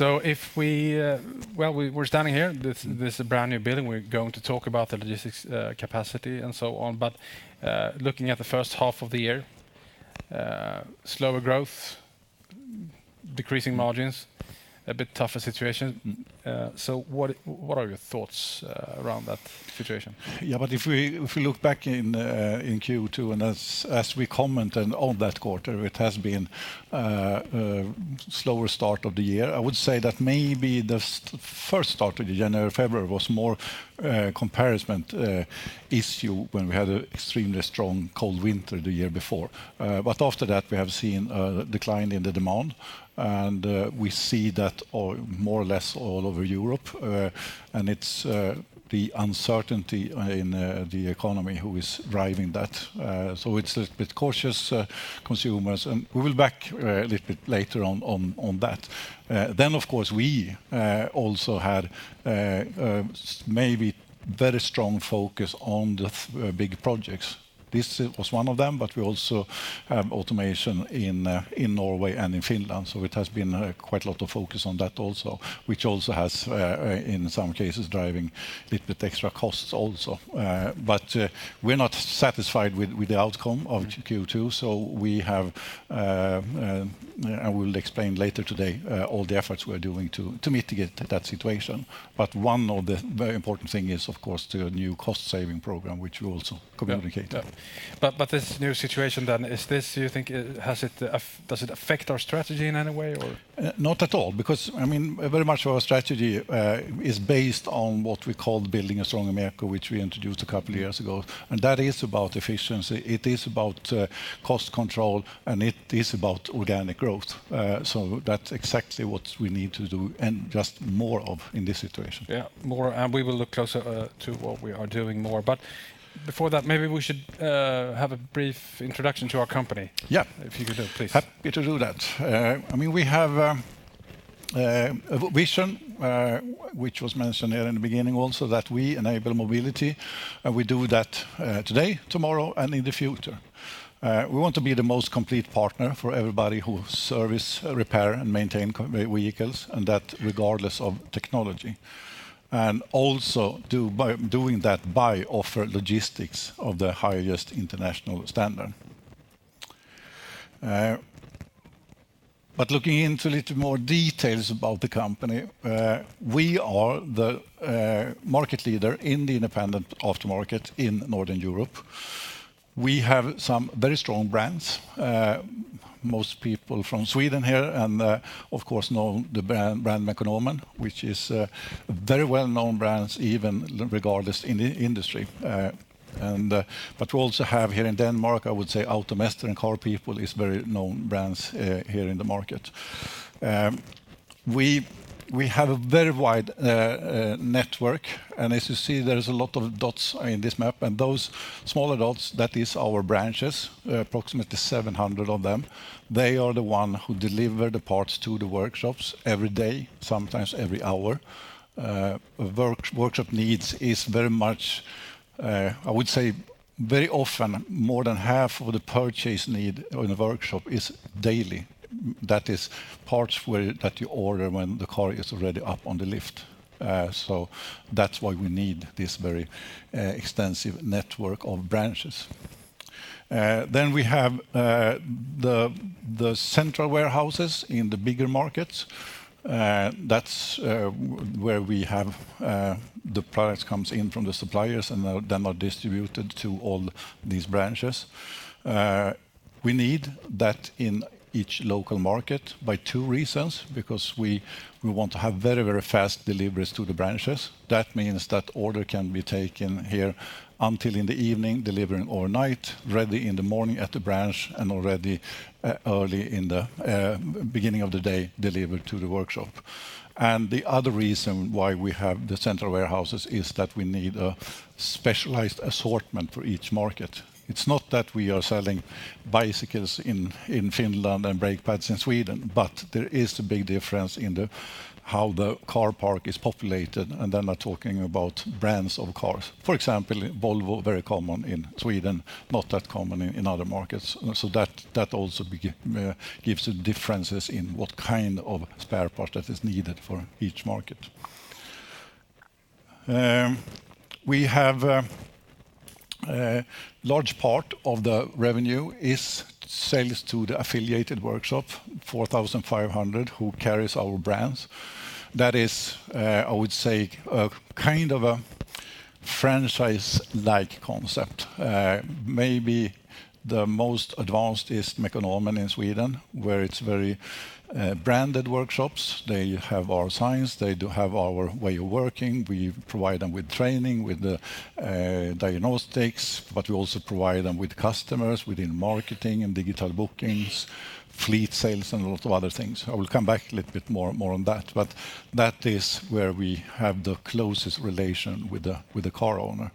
We're standing here, this brand new building. We're going to talk about the logistics capacity and so on, but looking at the H1 of the year, slower growth, decreasing margins, a bit tougher situation. What are your thoughts around that situation? Yeah, but if we look back in Q2 and as we commented on that quarter, it has been a slower start of the year. I would say that maybe the first start of January, February was more a comparison issue when we had an extremely strong cold winter the year before, but after that, we have seen a decline in the demand, and we see that more or less all over Europe, and it's the uncertainty in the economy who is driving that, so it's a little bit cautious consumers, and we will back a little bit later on that. Then, of course, we also had maybe a very strong focus on the big projects. This was one of them, but we also have automation in Norway and in Finland. So it has been quite a lot of focus on that also, which also has, in some cases, driving a little bit extra costs also. But we're not satisfied with the outcome of Q2, so we have, and we'll explain later today, all the efforts we are doing to mitigate that situation. But one of the very important things is, of course, the new cost-saving program, which we also communicated. But this new situation, then, does it affect our strategy in any way or? Not at all, because very much our strategy is based on what we call Building a Stronger MEKO, which we introduced a couple of years ago, and that is about efficiency. It is about cost control, and it is about organic growth, so that's exactly what we need to do and just more of in this situation. Yeah, more, and we will look closer to what we are doing more. But before that, maybe we should have a brief introduction to our company. Yeah. If you could do, please. Happy to do that. We have a vision, which was mentioned here in the beginning also, that we enable mobility, and we do that today, tomorrow, and in the future. We want to be the most complete partner for everybody who serves, repairs, and maintains vehicles, and that regardless of technology and also doing that by offering logistics of the highest international standard, but looking into a little more details about the company, we are the market leader in the independent aftermarket in Northern Europe. We have some very strong brands. Most people from Sweden here and, of course, know the brand Mekonomen, which is a very well-known brand, even regardless in the industry. But we also have here in Denmark, I would say, AutoMester and CarPeople is a very known brand here in the market. We have a very wide network, and as you see, there's a lot of dots in this map, and those smaller dots, that is our branches, approximately 700 of them. They are the ones who deliver the parts to the workshops every day, sometimes every hour. Workshop needs is very much, I would say, very often more than half of the purchase need in a workshop is daily. That is parts that you order when the car is already up on the lift. So that's why we need this very extensive network of branches. Then we have the central warehouses in the bigger markets. That's where we have the products come in from the suppliers, and then they're distributed to all these branches. We need that in each local market by two reasons, because we want to have very, very fast deliveries to the branches. That means that order can be taken here until in the evening, delivering overnight, ready in the morning at the branch, and already early in the beginning of the day, delivered to the workshop, and the other reason why we have the central warehouses is that we need a specialized assortment for each market. It's not that we are selling bicycles in Finland and brake pads in Sweden, but there is a big difference in how the car park is populated, and then we're talking about brands of cars. For example, Volvo, very common in Sweden, not that common in other markets, so that also gives differences in what kind of spare parts that are needed for each market. We have a large part of the revenue that is sales to the affiliated workshop, 4,500 who carry our brands. That is, I would say, kind of a franchise-like concept. Maybe the most advanced is Mekonomen in Sweden, where it's very branded workshops. They have our signs. They do have our way of working. We provide them with training, with diagnostics, but we also provide them with customers within marketing and digital bookings, fleet sales, and a lot of other things. I will come back a little bit more on that, but that is where we have the closest relation with the car owner,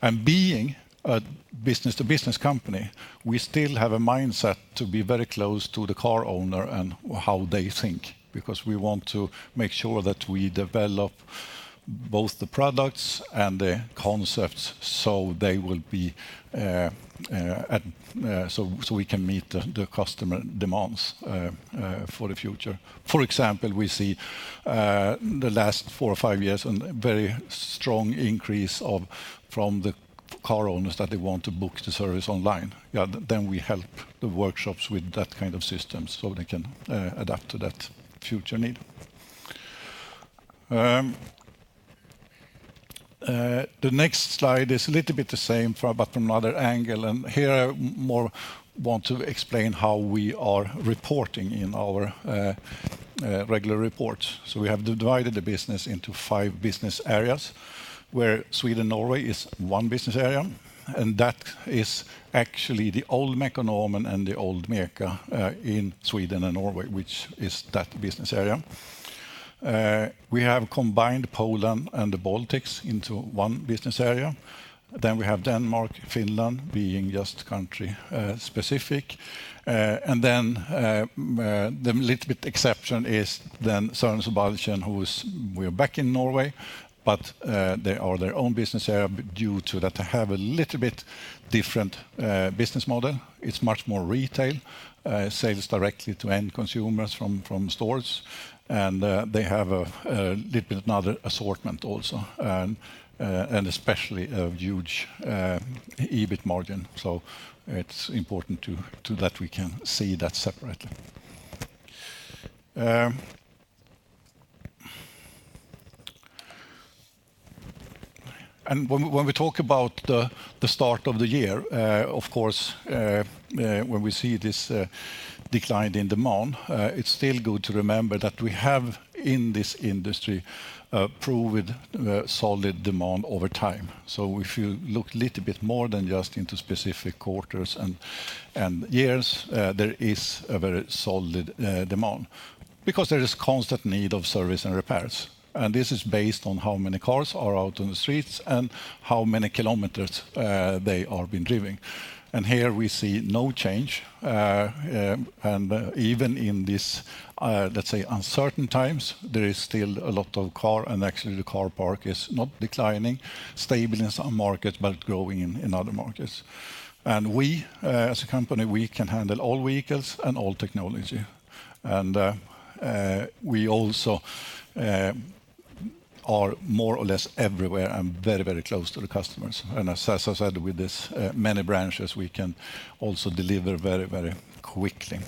and being a business-to-business company, we still have a mindset to be very close to the car owner and how they think, because we want to make sure that we develop both the products and the concepts so they will be so we can meet the customer demands for the future. For example, we see the last four or five years a very strong increase from the car owners that they want to book the service online. Yeah, then we help the workshops with that kind of system so they can adapt to that future need. The next slide is a little bit the same, but from another angle, and here I more want to explain how we are reporting in our regular reports, so we have divided the business into five business areas, where Sweden and Norway is one business area, and that is actually the old Mekonomen and the old MECA in Sweden and Norway, which is that business area. We have combined Poland and the Baltics into one business area, then we have Denmark, Finland being just country-specific. Then the little bit exception is Sørensen og Balchen, who is back in Norway, but they are their own business area due to that they have a little bit different business model. It's much more retail, sales directly to end consumers from stores, and they have a little bit of another assortment also, and especially a huge EBIT margin. It's important that we can see that separately. When we talk about the start of the year, of course, when we see this decline in demand, it's still good to remember that we have in this industry proven solid demand over time. If you look a little bit more than just into specific quarters and years, there is a very solid demand, because there is constant need of service and repairs. And this is based on how many cars are out on the streets and how many kilometers they have been driving. And here we see no change. And even in this, let's say, uncertain times, there is still a lot of car, and actually the car park is not declining, stable in some markets, but growing in other markets. And we, as a company, we can handle all vehicles and all technology. And we also are more or less everywhere and very, very close to the customers. And as I said, with this many branches, we can also deliver very, very quickly.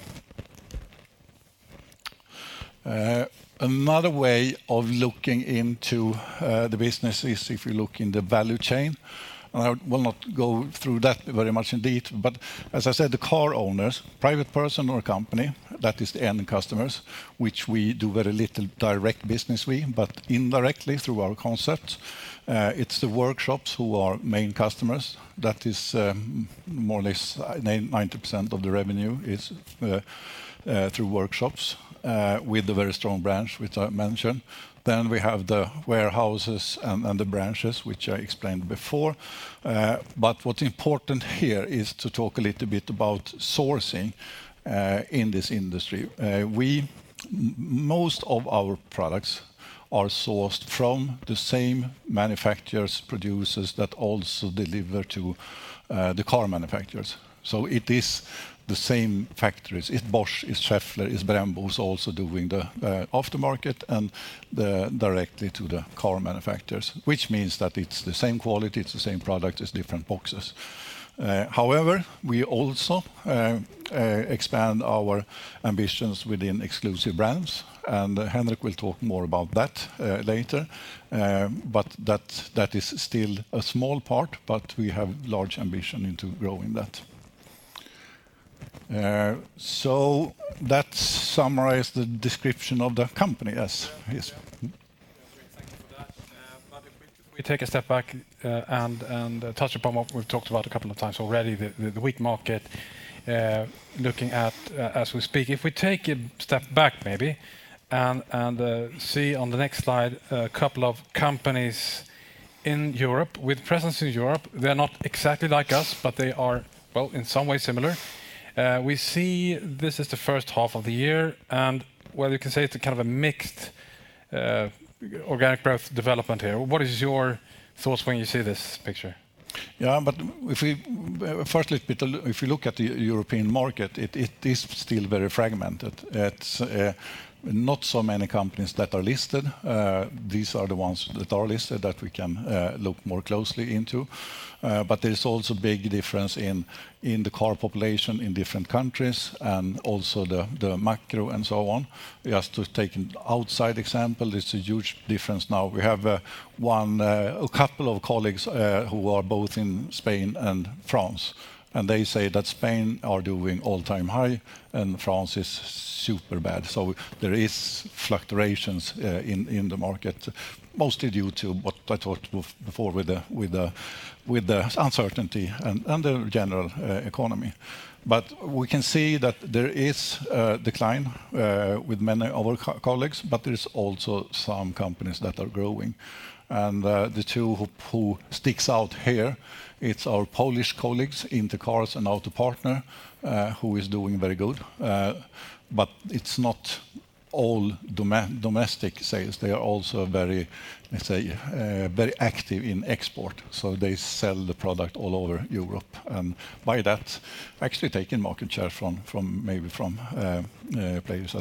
Another way of looking into the business is if you look in the value chain. I will not go through that very much in detail, but as I said, the car owners, private person or company, that is the end customers, which we do very little direct business with, but indirectly through our concepts. It's the workshops who are main customers. That is more or less 90% of the revenue is through workshops with the very strong branch which I mentioned. Then we have the warehouses and the branches, which I explained before. But what's important here is to talk a little bit about sourcing in this industry. Most of our products are sourced from the same manufacturers, producers that also deliver to the car manufacturers. So it is the same factories. It's Bosch, it's Schaeffler, it's Brembo who's also doing the aftermarket and directly to the car manufacturers, which means that it's the same quality, it's the same product, it's different boxes. However, we also expand our ambitions within exclusive brands, and Henrik will talk more about that later. But that is still a small part, but we have large ambition into growing that. So that summarizes the description of the company, yes. Thank you for that, but if we take a step back and touch upon what we've talked about a couple of times already, the weak market, looking at as we speak, if we take a step back maybe and see on the next slide a couple of companies in Europe with presence in Europe, they're not exactly like us, but they are, well, in some ways similar. We see this is the H1 of the year, and well, you can say it's kind of a mixed organic growth development here. What is your thoughts when you see this picture? Yeah, but if we first look at the European market, it is still very fragmented. It's not so many companies that are listed. These are the ones that are listed that we can look more closely into. But there is also a big difference in the car population in different countries and also the macro and so on. Just to take an outside example, there's a huge difference now. We have a couple of colleagues who are both in Spain and France, and they say that Spain is doing all-time high, and France is super bad. So there are fluctuations in the market, mostly due to what I talked before with the uncertainty and the general economy. But we can see that there is a decline with many of our colleagues, but there are also some companies that are growing. And the two who stick out here, it's our Polish colleagues in Inter Cars and Auto Partner who are doing very good. But it's not all domestic sales. They are also very active in export. So they sell the product all over Europe. And by that, actually taking market share from maybe players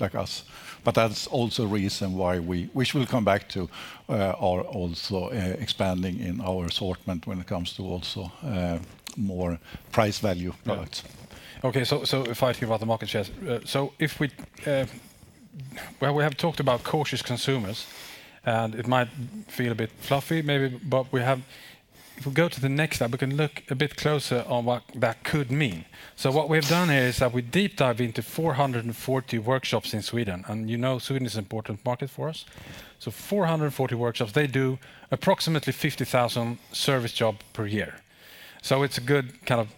like us. But that's also a reason why we, which we'll come back to, are also expanding in our assortment when it comes to also more price-value products. Okay, so if I think about the market shares, so if we have talked about cautious consumers, and it might feel a bit fluffy maybe, but we have, if we go to the next slide, we can look a bit closer on what that could mean, so what we have done here is that we deep-dive into 440 workshops in Sweden. Sweden is an important market for us, so 440 workshops, they do approximately 50,000 service jobs per year, so it's a good kind of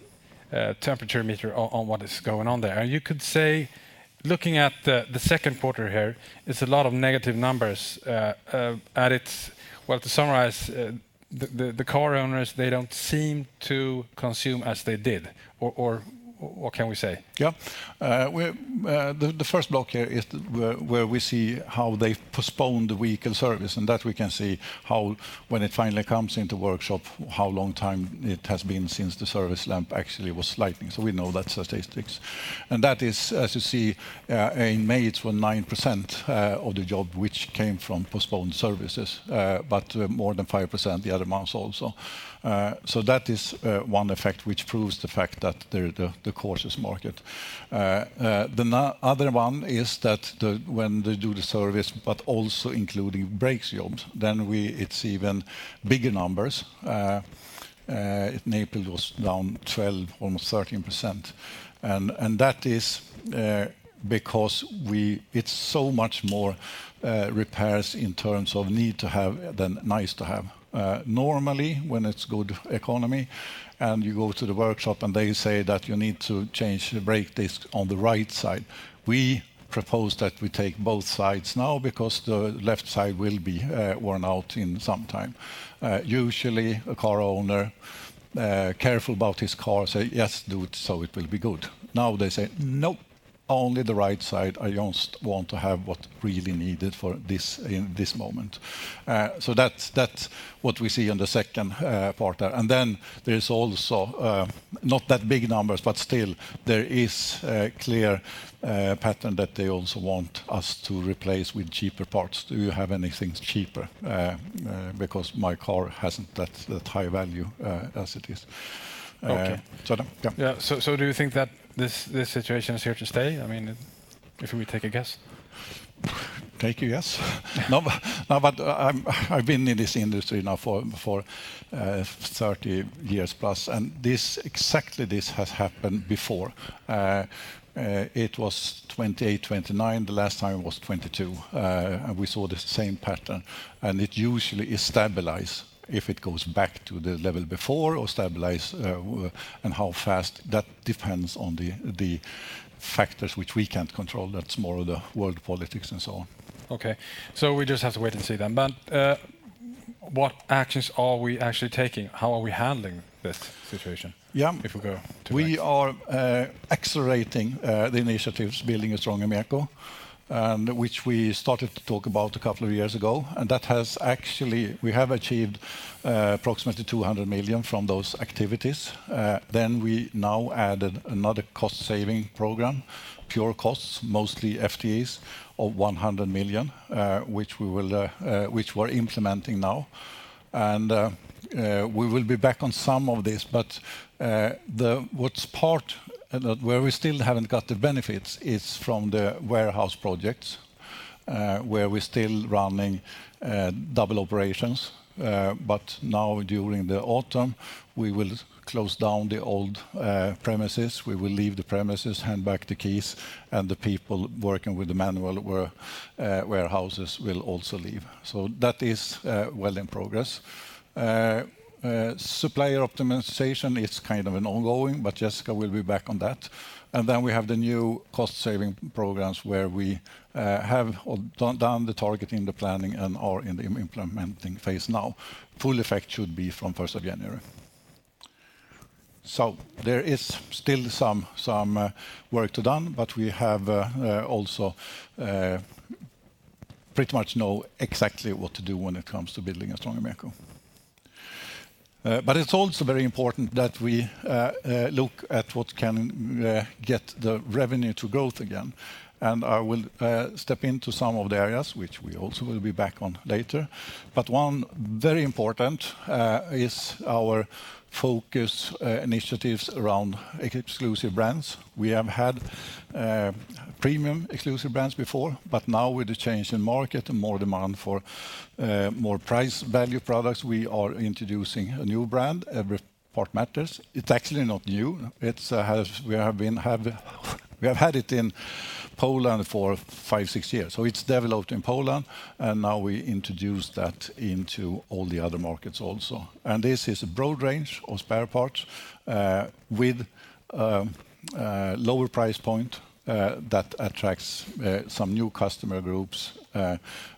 temperature meter on what is going on there, and you could say, looking at the second quarter here, it's a lot of negative numbers, well, to summarize, the car owners, they don't seem to consume as they did, or what can we say? Yeah, the first block here is where we see how they postponed the vehicle service, and that we can see how, when it finally comes into workshop, how long time it has been since the service lamp actually was lighting. So we know that statistics, and that is, as you see, in May, it was 9% of the job which came from postponed services, but more than 5% the other months also, so that is one effect which proves the fact that they're the cautious market. The other one is that when they do the service, but also including brakes jobs, then it's even bigger numbers. In April, it was down 12%, almost 13%, and that is because it's so much more repairs in terms of need to have than nice to have. Normally, when it's good economy and you go to the workshop and they say that you need to change the brake disc on the right side, we propose that we take both sides now because the left side will be worn out in some time. Usually, a car owner is careful about his car, says, "Yes, do it so it will be good." Now they say, "No, only the right side. I just want to have what's really needed for this moment." So that's what we see in the second part there. And then there's also not that big numbers, but still there is a clear pattern that they also want us to replace with cheaper parts. "Do you have anything cheaper? Because my car hasn't that high value as it is. Okay, so do you think that this situation is here to stay? If we take a guess. Take a guess. No, but I've been in this industry now for 30 years plus, and exactly this has happened before. It was '08, '09 the last time it was '22. And we saw the same pattern. And it usually stabilizes if it goes back to the level before or stabilizes and how fast. That depends on the factors which we can't control. That's more of the world politics and so on. Okay, so we just have to wait and see then. But what actions are we actually taking? How are we handling this situation? Yeah, we are accelerating the initiatives building a stronger MEKO, which we started to talk about a couple of years ago. And that has actually, we have achieved approximately 200 million from those activities. Then we now added another cost-saving program, pure costs, mostly FTEs of 100 million, which we are implementing now. And we will be back on some of this. But what's part where we still haven't got the benefits is from the warehouse projects where we're still running double operations. But now during the autumn, we will close down the old premises. We will leave the premises, hand back the keys, and the people working with the manual warehouses will also leave. So that is well in progress. Supplier optimization is kind of ongoing, but Jessica will be back on that. And then we have the new cost-saving programs where we have done the targeting, the planning, and are in the implementing phase now. Full effect should be from 1st of January. So there is still some work to done, but we have also pretty much know exactly what to do when it comes to building a stronger MEKO. But it's also very important that we look at what can get the revenue to growth again. And I will step into some of the areas which we also will be back on later. But one very important is our focus initiatives around exclusive brands. We have had premium exclusive brands before, but now with the change in market and more demand for more price-value products, we are introducing a new brand, Every Part Matters. It's actually not new. We have had it in Poland for five, six years. It's developed in Poland, and now we introduce that into all the other markets also. This is a broad range of spare parts with a lower price point that attracts some new customer groups,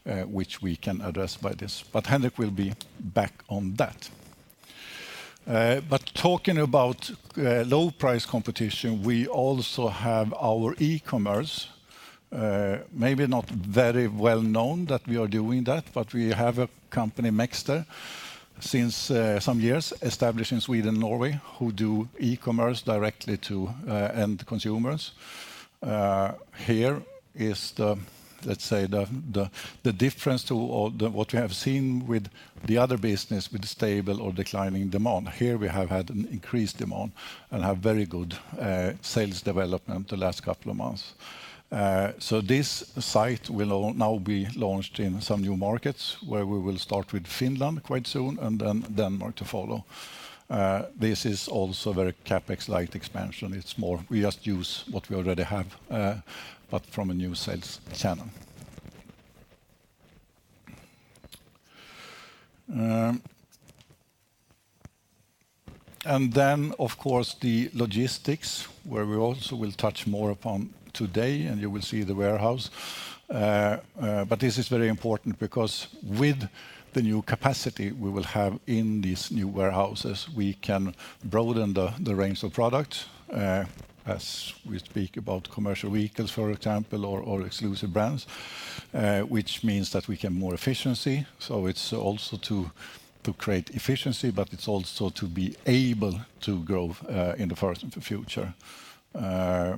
which we can address by this. Henrik will be back on that. Talking about low-price competition, we also have our e-commerce, maybe not very well known that we are doing that, but we have a company, Mekster, since some years established in Sweden and Norway, who do e-commerce directly to end consumers. Here is the, let's say, the difference to what we have seen with the other business with stable or declining demand. Here we have had an increased demand and have very good sales development the last couple of months. This site will now be launched in some new markets where we will start with Finland quite soon and then Denmark to follow. This is also a very CapEx-like expansion. It's more we just use what we already have, but from a new sales channel. And then, of course, the logistics where we also will touch more upon today, and you will see the warehouse. But this is very important because with the new capacity we will have in these new warehouses, we can broaden the range of products as we speak about commercial vehicles, for example, or exclusive brands, which means that we can more efficiency. So it's also to create efficiency, but it's also to be able to grow in the future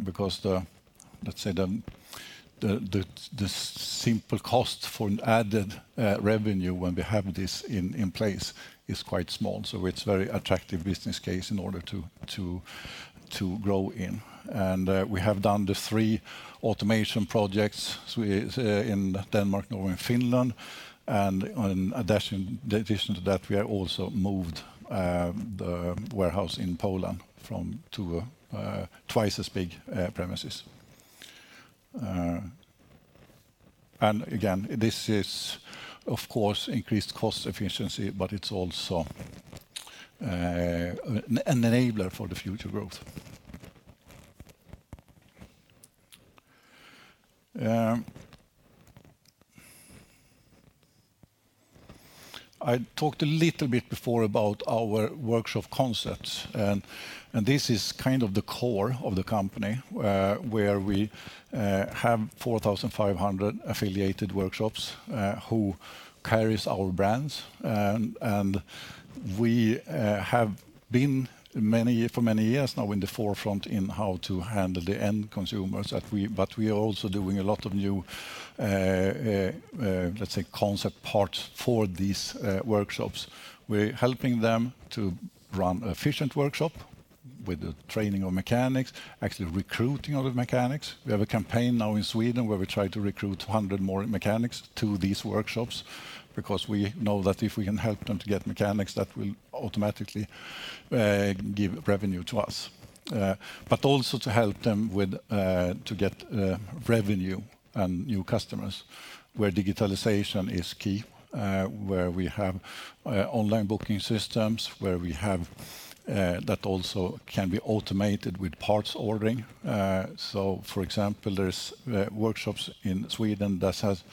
because, let's say, the simple cost for added revenue when we have this in place is quite small. So it's a very attractive business case in order to grow in. And we have done the three automation projects in Denmark, Norway, and Finland. And in addition to that, we have also moved the warehouse in Poland to twice as big premises. And again, this is, of course, increased cost efficiency, but it's also an enabler for the future growth. I talked a little bit before about our workshop concepts. And this is kind of the core of the company where we have 4,500 affiliated workshops who carry our brands. And we have been for many years now in the forefront in how to handle the end consumers. But we are also doing a lot of new, let's say, concept parts for these workshops. We're helping them to run an efficient workshop with the training of mechanics, actually recruiting other mechanics. We have a campaign now in Sweden where we try to recruit 200 more mechanics to these workshops because we know that if we can help them to get mechanics, that will automatically give revenue to us. But also to help them to get revenue and new customers where digitalization is key, where we have online booking systems where we have that also can be automated with parts ordering. So, for example, there are workshops in Sweden that says,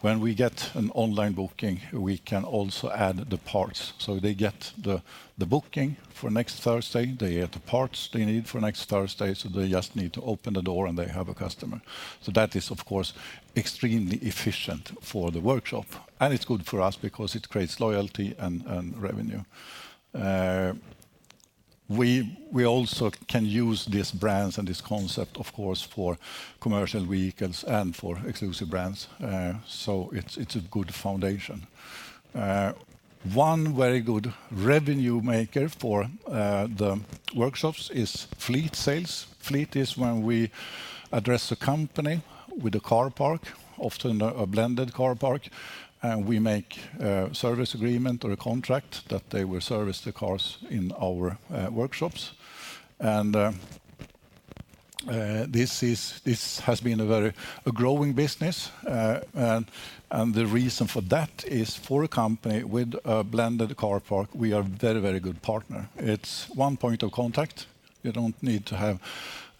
when we get an online booking, we can also add the parts. So they get the booking for next Thursday, they get the parts they need for next Thursday. So they just need to open the door and they have a customer. So that is, of course, extremely efficient for the workshop. And it's good for us because it creates loyalty and revenue. We also can use these brands and this concept, of course, for commercial vehicles and for exclusive brands. So it's a good foundation. One very good revenue maker for the workshops is fleet sales. Fleet is when we address a company with a car park, often a blended car park. And we make a service agreement or a contract that they will service the cars in our workshops. And this has been a very growing business. And the reason for that is for a company with a blended car park, we are a very, very good partner. It's one point of contact. You don't need to have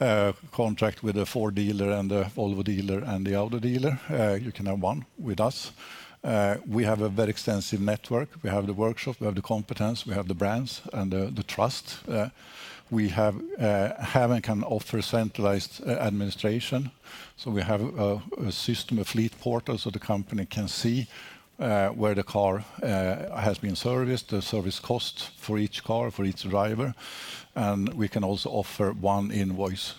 a contract with a Ford dealer and a Volvo dealer and the Audi dealer. You can have one with us. We have a very extensive network. We have the workshop, we have the competence, we have the brands and the trust. We can offer centralized administration, so we have a system, a fleet portal so the company can see where the car has been serviced, the service cost for each car, for each driver, and we can also offer one invoice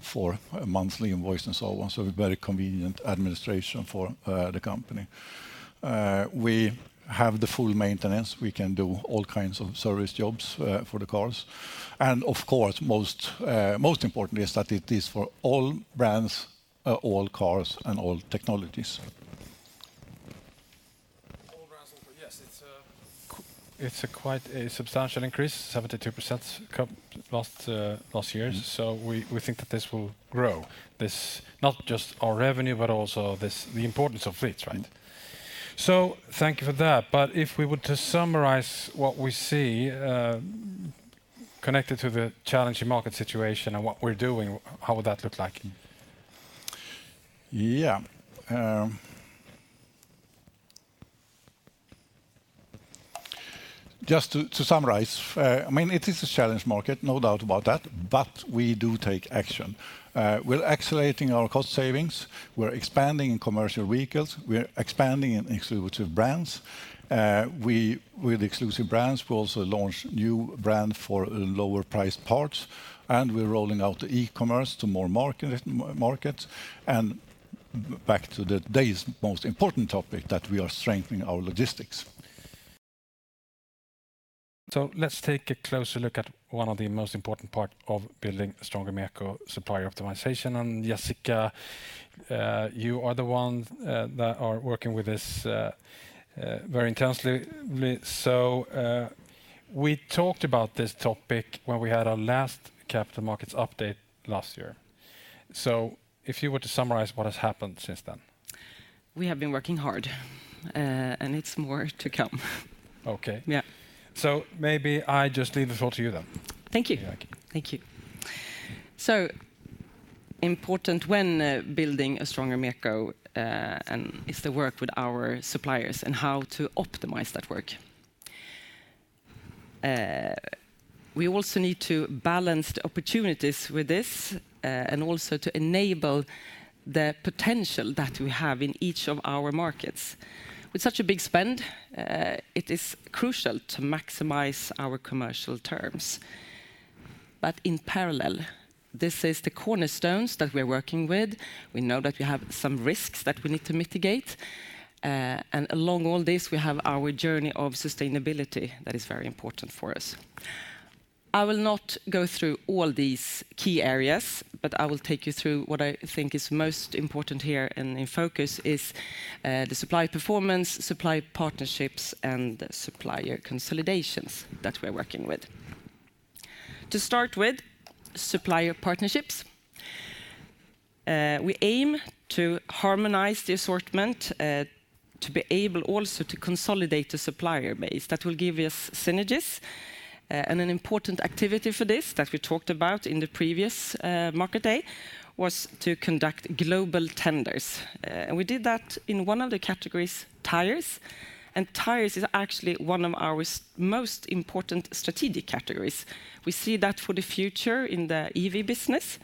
for a monthly invoice and so on, so very convenient administration for the company. We have the full maintenance. We can do all kinds of service jobs for the cars, and of course, most important is that it is for all brands, all cars, and all technologies. Yes, it's quite a substantial increase, 72% last year. So we think that this will grow, not just our revenue, but also the importance of fleets, right? So thank you for that. But if we were to summarize what we see connected to the challenging market situation and what we're doing, how would that look like? Yeah. Just to summarize, it is a challenge market, no doubt about that, but we do take action. We're accelerating our cost savings. We're expanding in commercial vehicles. We're expanding in exclusive brands. With exclusive brands, we also launched new brands for lower-priced parts. And we're rolling out the e-commerce to more markets. And back to today's most important topic that we are strengthening our logistics. So, let's take a closer look at one of the most important parts of building a stronger MEKO supplier optimization. And Jessica, you are the one that is working with this very intensively. So, we talked about this topic when we had our last Capital Markets update last year. So, if you were to summarize what has happened since then. We have been working hard and it's more to come. Okay. So maybe I just leave the floor to you then. Thank you. Thank you. So important when building a stronger MEKO is the work with our suppliers and how to optimize that work. We also need to balance the opportunities with this and also to enable the potential that we have in each of our markets. With such a big spend, it is crucial to maximize our commercial terms, but in parallel, this is the cornerstones that we are working with. We know that we have some risks that we need to mitigate, and along all this, we have our journey of sustainability that is very important for us. I will not go through all these key areas, but I will take you through what I think is most important here, and in focus is the supply performance, supply partnerships, and supplier consolidations that we are working with. To start with supplier partnerships, we aim to harmonize the assortment to be able also to consolidate the supplier base that will give us synergies. And an important activity for this that we talked about in the previous market day was to conduct global tenders. And we did that in one of the categories, tires. And tires is actually one of our most important strategic categories. We see that for the future in the EV business.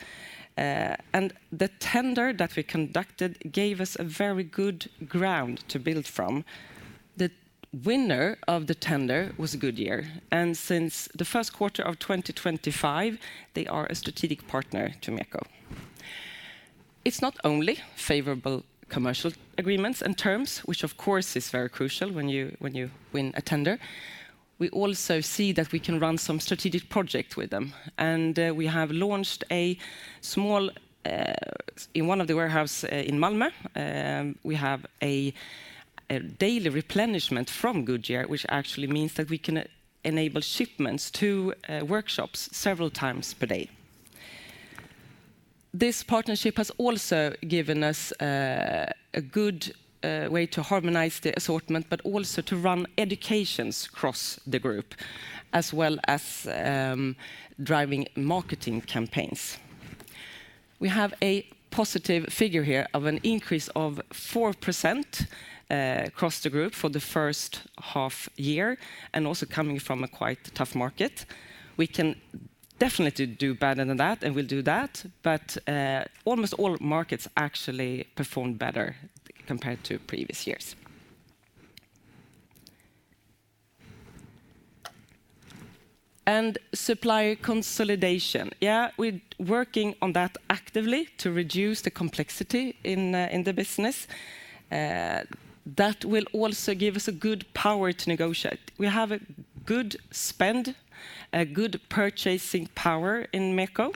And the tender that we conducted gave us a very good ground to build from. The winner of the tender was Goodyear. And since the Q1 of 2025, they are a strategic partner to MEKO. It's not only favorable commercial agreements and terms, which of course is very crucial when you win a tender. We also see that we can run some strategic projects with them. We have launched a small hub in one of the warehouses in Malmö. We have a daily replenishment from Goodyear, which actually means that we can enable shipments to workshops several times per day. This partnership has also given us a good way to harmonize the assortment, but also to run educations across the group, as well as driving marketing campaigns. We have a positive figure here of an increase of 4% across the group for the H1 year and also coming from a quite tough market. We can definitely do better than that and we'll do that. Almost all markets actually performed better compared to previous years. Supplier consolidation, yeah, we're working on that actively to reduce the complexity in the business. That will also give us a good power to negotiate. We have a good spend, a good purchasing power in MEKO.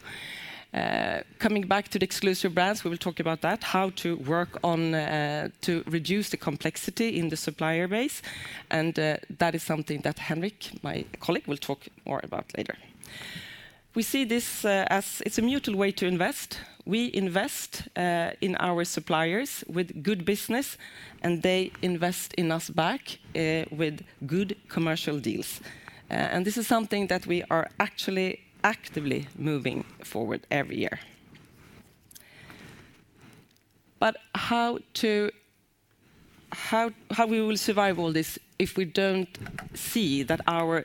Coming back to the exclusive brands, we will talk about that, how to work on to reduce the complexity in the supplier base. And that is something that Henrik, my colleague, will talk more about later. We see this as it's a mutual way to invest. We invest in our suppliers with good business, and they invest in us back with good commercial deals. And this is something that we are actually actively moving forward every year. But how we will survive all this if we don't see that our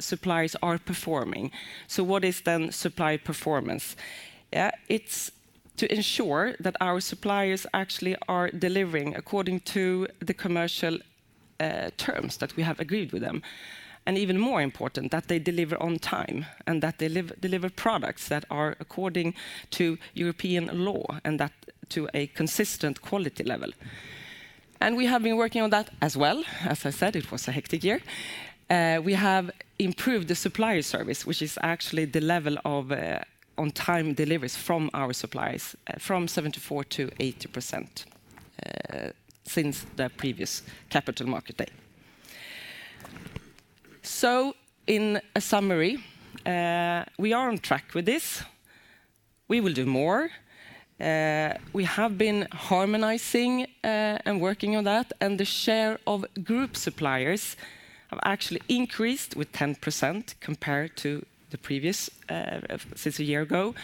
suppliers are performing? So what is then supply performance? It's to ensure that our suppliers actually are delivering according to the commercial terms that we have agreed with them. And even more important, that they deliver on time and that they deliver products that are according to European law and that to a consistent quality level. We have been working on that as well. As I said, it was a hectic year. We have improved the supplier service, which is actually the level of on-time deliveries from our suppliers, from 74% to 80% since the previous Capital Markets Day. In a summary, we are on track with this. We will do more. We have been harmonizing and working on that. The share of group suppliers have actually increased with 10% compared to the previous since a year ago.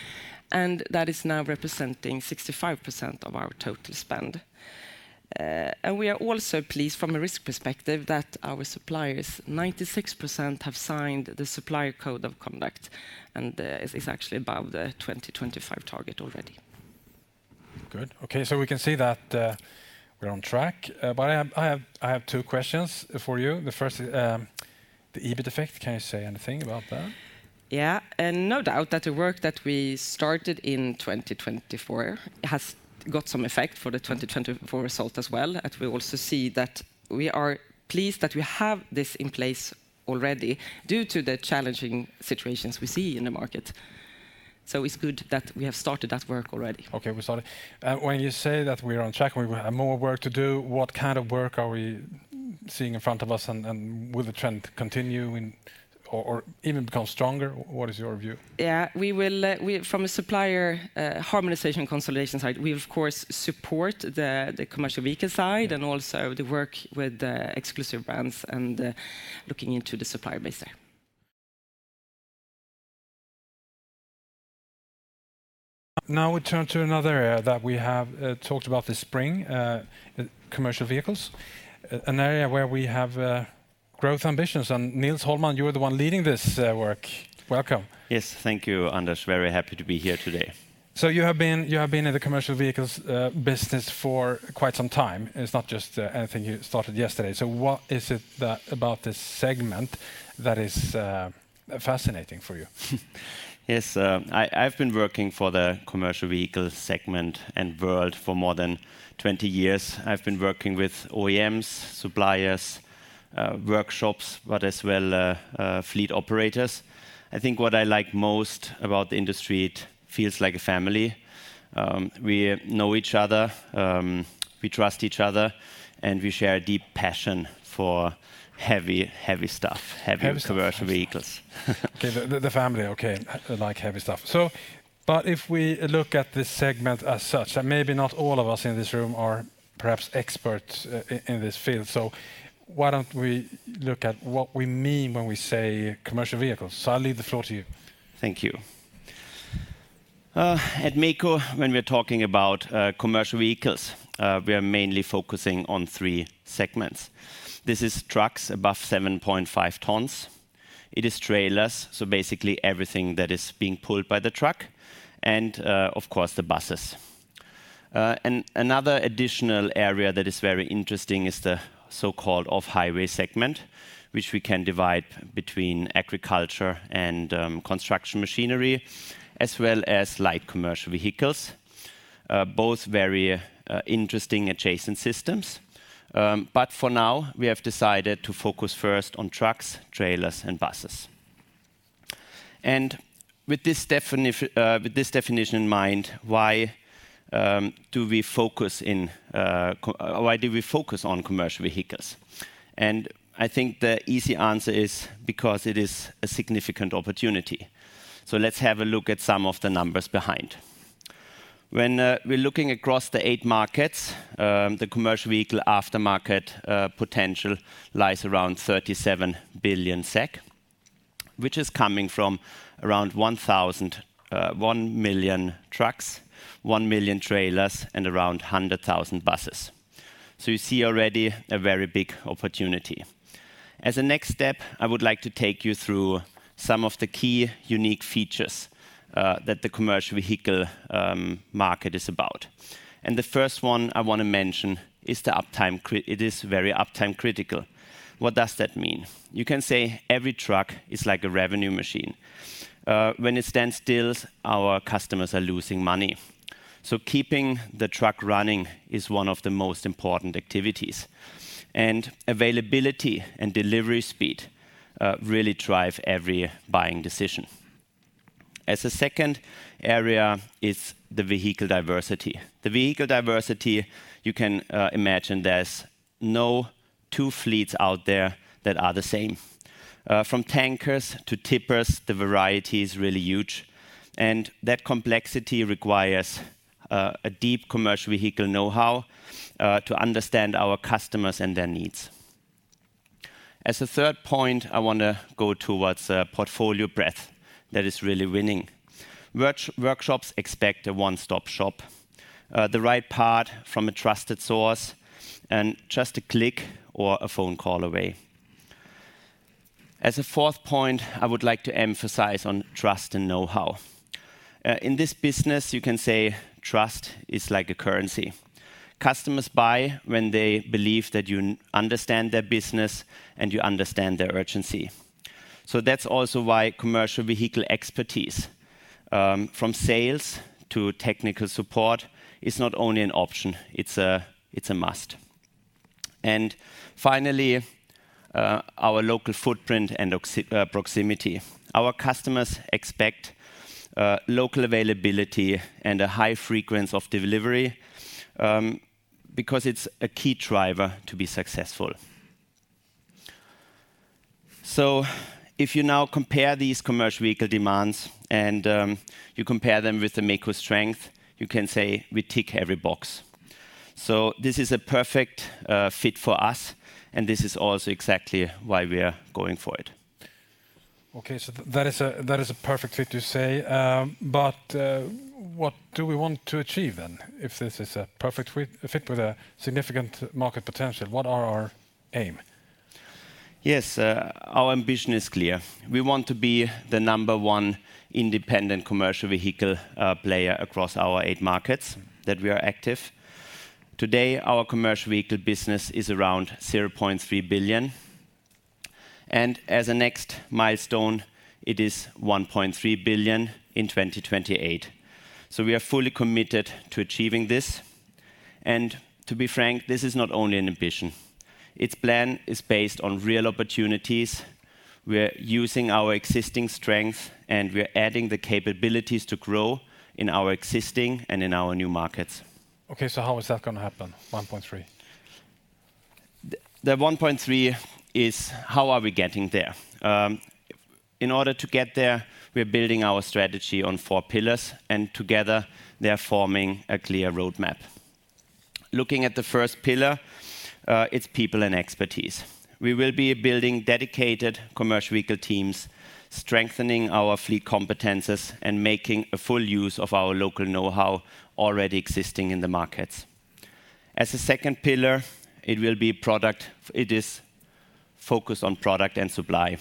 That is now representing 65% of our total spend. We are also pleased from a risk perspective that our suppliers, 96%, have signed the supplier code of conduct. It's actually above the 2025 target already. Good. Okay, so we can see that we're on track, but I have two questions for you. The first is the EBIT effect. Can you say anything about that? Yeah. No doubt that the work that we started in 2024 has got some effect for the 2024 result as well, and we also see that we are pleased that we have this in place already due to the challenging situations we see in the market, so it's good that we have started that work already. Okay, we started. When you say that we are on track and we have more work to do, what kind of work are we seeing in front of us? And will the trend continue or even become stronger? What is your view? Yeah, from a supplier harmonization consolidation side, we of course support the commercial vehicle side and also the work with exclusive brands and looking into the supplier base there. Now we turn to another area that we have talked about this spring, commercial vehicles, an area where we have growth ambitions. And Nils Hollmann, you are the one leading this work. Welcome. Yes, thank you, Anders. Very happy to be here today. So you have been in the commercial vehicles business for quite some time. It's not just anything you started yesterday. So what is it about this segment that is fascinating for you? Yes, I've been working for the commercial vehicle segment and world for more than 20 years. I've been working with OEMs, suppliers, workshops, but as well fleet operators. I think what I like most about the industry, it feels like a family. We know each other, we trust each other, and we share a deep passion for heavy stuff, heavy commercial vehicles. The family, okay, like heavy stuff. But if we look at this segment as such, and maybe not all of us in this room are perhaps experts in this field, so why don't we look at what we mean when we say commercial vehicles? So I'll leave the floor to you. Thank you. At MEKO, when we're talking about commercial vehicles, we are mainly focusing on three segments. This is trucks above 7.5 tons. It is trailers, so basically everything that is being pulled by the truck, and of course the buses. And another additional area that is very interesting is the so-called off-highway segment, which we can divide between agriculture and construction machinery, as well as light commercial vehicles, both very interesting adjacent systems. But for now, we have decided to focus first on trucks, trailers, and buses. And with this definition in mind, why do we focus on commercial vehicles? And I think the easy answer is because it is a significant opportunity. So let's have a look at some of the numbers behind. When we're looking across the eight markets, the commercial vehicle aftermarket potential lies around 37 billion SEK, which is coming from around 1 million trucks, 1 million trailers, and around 100,000 buses. So you see already a very big opportunity. As a next step, I would like to take you through some of the key unique features that the commercial vehicle market is about. And the first one I want to mention is the uptime. It is very uptime critical. What does that mean? You can say every truck is like a revenue machine. When it stands still, our customers are losing money. So keeping the truck running is one of the most important activities. And availability and delivery speed really drive every buying decision. As a second area is the vehicle diversity. The vehicle diversity, you can imagine there's no two fleets out there that are the same. From tankers to tippers, the variety is really huge. And that complexity requires a deep commercial vehicle know-how to understand our customers and their needs. As a third point, I want to go towards a portfolio breadth that is really winning. Workshops expect a one-stop shop, the right part from a trusted source, and just a click or a phone call away. As a fourth point, I would like to emphasize on trust and know-how. In this business, you can say trust is like a currency. Customers buy when they believe that you understand their business and you understand their urgency. So that's also why commercial vehicle expertise, from sales to technical support, is not only an option, it's a must. And finally, our local footprint and proximity. Our customers expect local availability and a high frequency of delivery because it's a key driver to be successful. So if you now compare these commercial vehicle demands and you compare them with the MEKO strength, you can say we tick every box. So this is a perfect fit for us, and this is also exactly why we are going for it. Okay, so that is a perfect fit to say. But what do we want to achieve then? If this is a perfect fit with a significant market potential, what are our aim? Yes, our ambition is clear. We want to be the number one independent commercial vehicle player across our eight markets that we are active. Today, our commercial vehicle business is around 0.3 billion. And as a next milestone, it is 1.3 billion in 2028. So we are fully committed to achieving this. And to be frank, this is not only an ambition. Its plan is based on real opportunities. We are using our existing strengths, and we are adding the capabilities to grow in our existing and in our new markets. Okay, so how is that going to happen, 1.3? The 1.3 is, how are we getting there? In order to get there, we are building our strategy on four pillars, and together they are forming a clear roadmap. Looking at the first pillar, it's people and expertise. We will be building dedicated commercial vehicle teams, strengthening our fleet competencies, and making a full use of our local know-how already existing in the markets. As a second pillar, it will be product. It is focused on product and supply.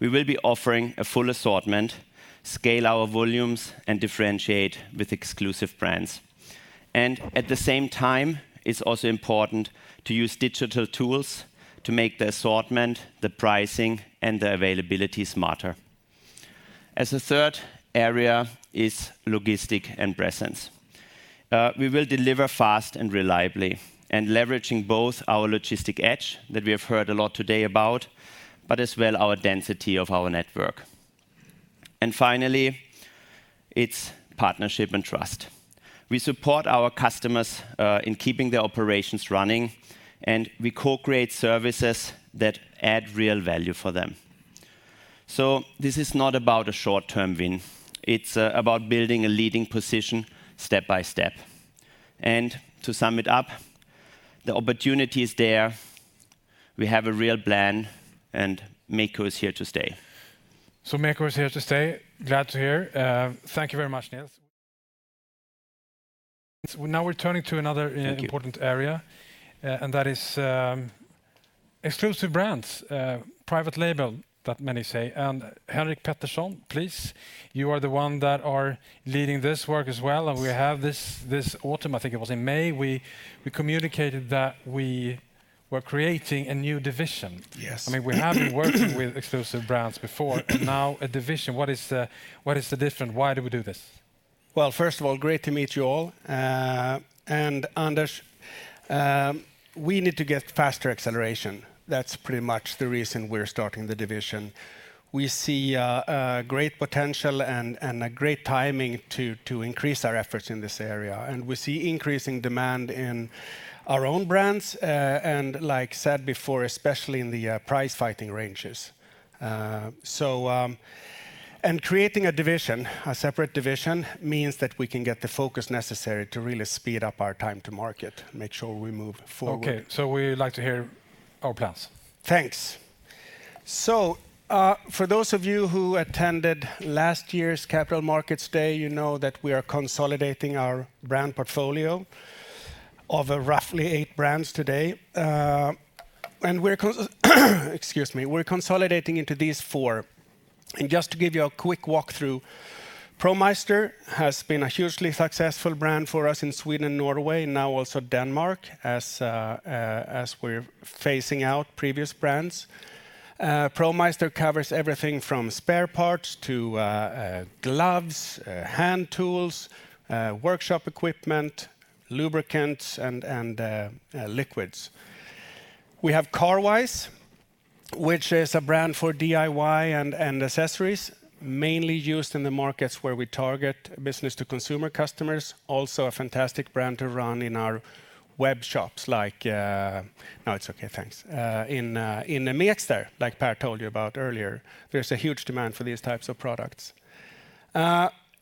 We will be offering a full assortment, scale our volumes, and differentiate with exclusive brands. And at the same time, it's also important to use digital tools to make the assortment, the pricing, and the availability smarter. As a third area is logistics and presence. We will deliver fast and reliably, and leveraging both our logistic edge that we have heard a lot today about, but as well our density of our network, and finally, it's partnership and trust. We support our customers in keeping their operations running, and we co-create services that add real value for them, so this is not about a short-term win. It's about building a leading position step by step, and to sum it up, the opportunity is there. We have a real plan, and MEKO is here to stay. So MEKO is here to stay. Glad to hear. Thank you very much, Nils. Now we're turning to another important area, and that is exclusive brands, private label, that many say. And Henrik Pettersson, please, you are the one that is leading this work as well. And we have this autumn, I think it was in May, we communicated that we were creating a new division. We haven't worked with exclusive brands before. Now a division, what is the difference? Why do we do this? Well, first of all, great to meet you all. And Anders, we need to get faster acceleration. That's pretty much the reason we're starting the division. We see great potential and great timing to increase our efforts in this area. And we see increasing demand in our own brands, and like said before, especially in the price-fighting ranges. And creating a division, a separate division, means that we can get the focus necessary to really speed up our time to market and make sure we move forward. Okay, so we'd like to hear our plans. Thanks. So for those of you who attended last year's Capital Markets Day that we are consolidating our brand portfolio of roughly eight brands today. And we're consolidating into these four. And just to give you a quick walkthrough, ProMeister has been a hugely successful brand for us in Sweden and Norway, now also Denmark, as we're phasing out previous brands. ProMeister covers everything from spare parts to gloves, hand tools, workshop equipment, lubricants, and liquids. We have Carwise, which is a brand for DIY and accessories, mainly used in the markets where we target business-to-consumer customers. Also a fantastic brand to run in our web shops, like now it's okay, thanks, in the Mekster, like Pehr told you about earlier. There's a huge demand for these types of products.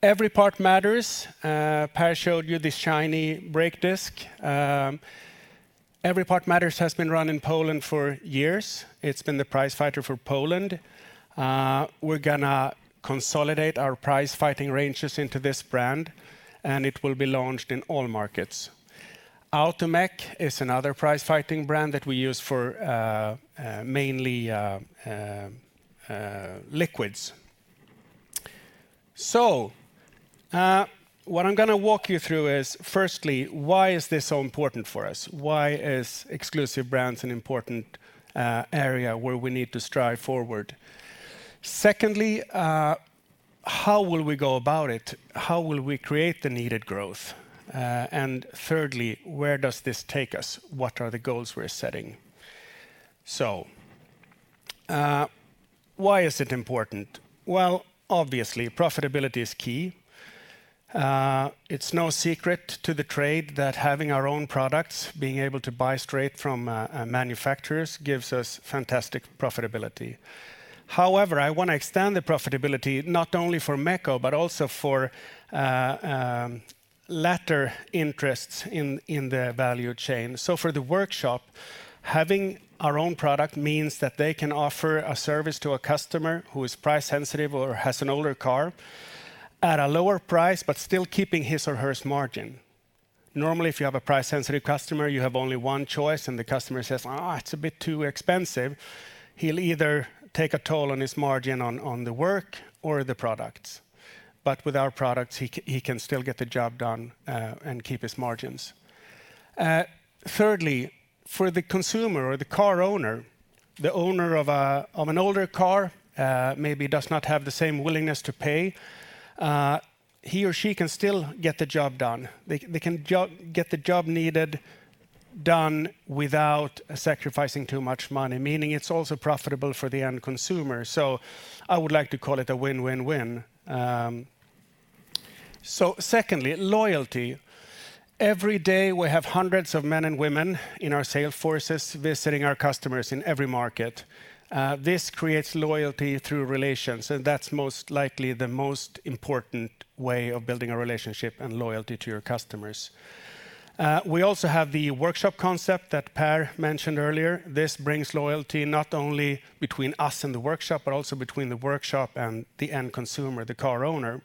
Every Part Matters. Pehr showed you this shiny brake disc. Every Part Matters has been run in Poland for years. It's been the price fighter for Poland. We're going to consolidate our price-fighting ranges into this brand, and it will be launched in all markets. Automek is another price-fighting brand that we use for mainly liquids. So what I'm going to walk you through is, firstly, why is this so important for us? Why is Exclusive Brands an important area where we need to strive forward? Secondly, how will we go about it? How will we create the needed growth? And thirdly, where does this take us? What are the goals we're setting? So why is it important? Well, obviously, profitability is key. It's no secret to the trade that having our own products, being able to buy straight from manufacturers, gives us fantastic profitability. However, I want to extend the profitability not only for MEKO, but also for latter interests in the value chain. So for the workshop, having our own product means that they can offer a service to a customer who is price-sensitive or has an older car at a lower price, but still keeping his or her margin. Normally, if you have a price-sensitive customer, you have only one choice, and the customer says, "It's a bit too expensive." He'll either take a toll on his margin on the work or the products. But with our products, he can still get the job done and keep his margins. Thirdly, for the consumer or the car owner, the owner of an older car maybe does not have the same willingness to pay. He or she can still get the job done. They can get the job needed done without sacrificing too much money, meaning it's also profitable for the end consumer. So I would like to call it a win-win-win. So secondly, loyalty. Every day, we have hundreds of men and women in our sales forces visiting our customers in every market. This creates loyalty through relations, and that's most likely the most important way of building a relationship and loyalty to your customers. We also have the workshop concept that Pehr mentioned earlier. This brings loyalty not only between us and the workshop, but also between the workshop and the end consumer, the car owner.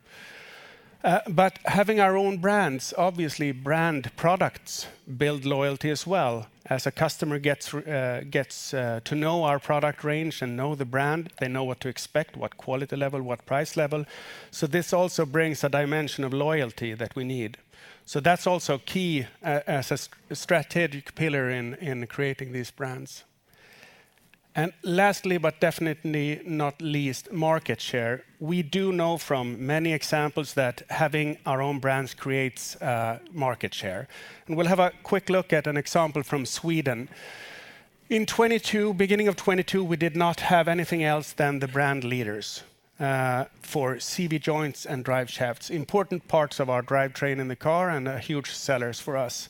But having our own brands, obviously, brand products build loyalty as well. As a customer gets to know our product range and know the brand, they know what to expect, what quality level, what price level. So this also brings a dimension of loyalty that we need. So that's also key as a strategic pillar in creating these brands. And lastly, but definitely not least, market share. We do know from many examples that having our own brands creates market share. And we'll have a quick look at an example from Sweden. In 2022, beginning of 2022, we did not have anything else than the brand leaders for CV joints and drive shafts, important parts of our drivetrain in the car and huge sellers for us.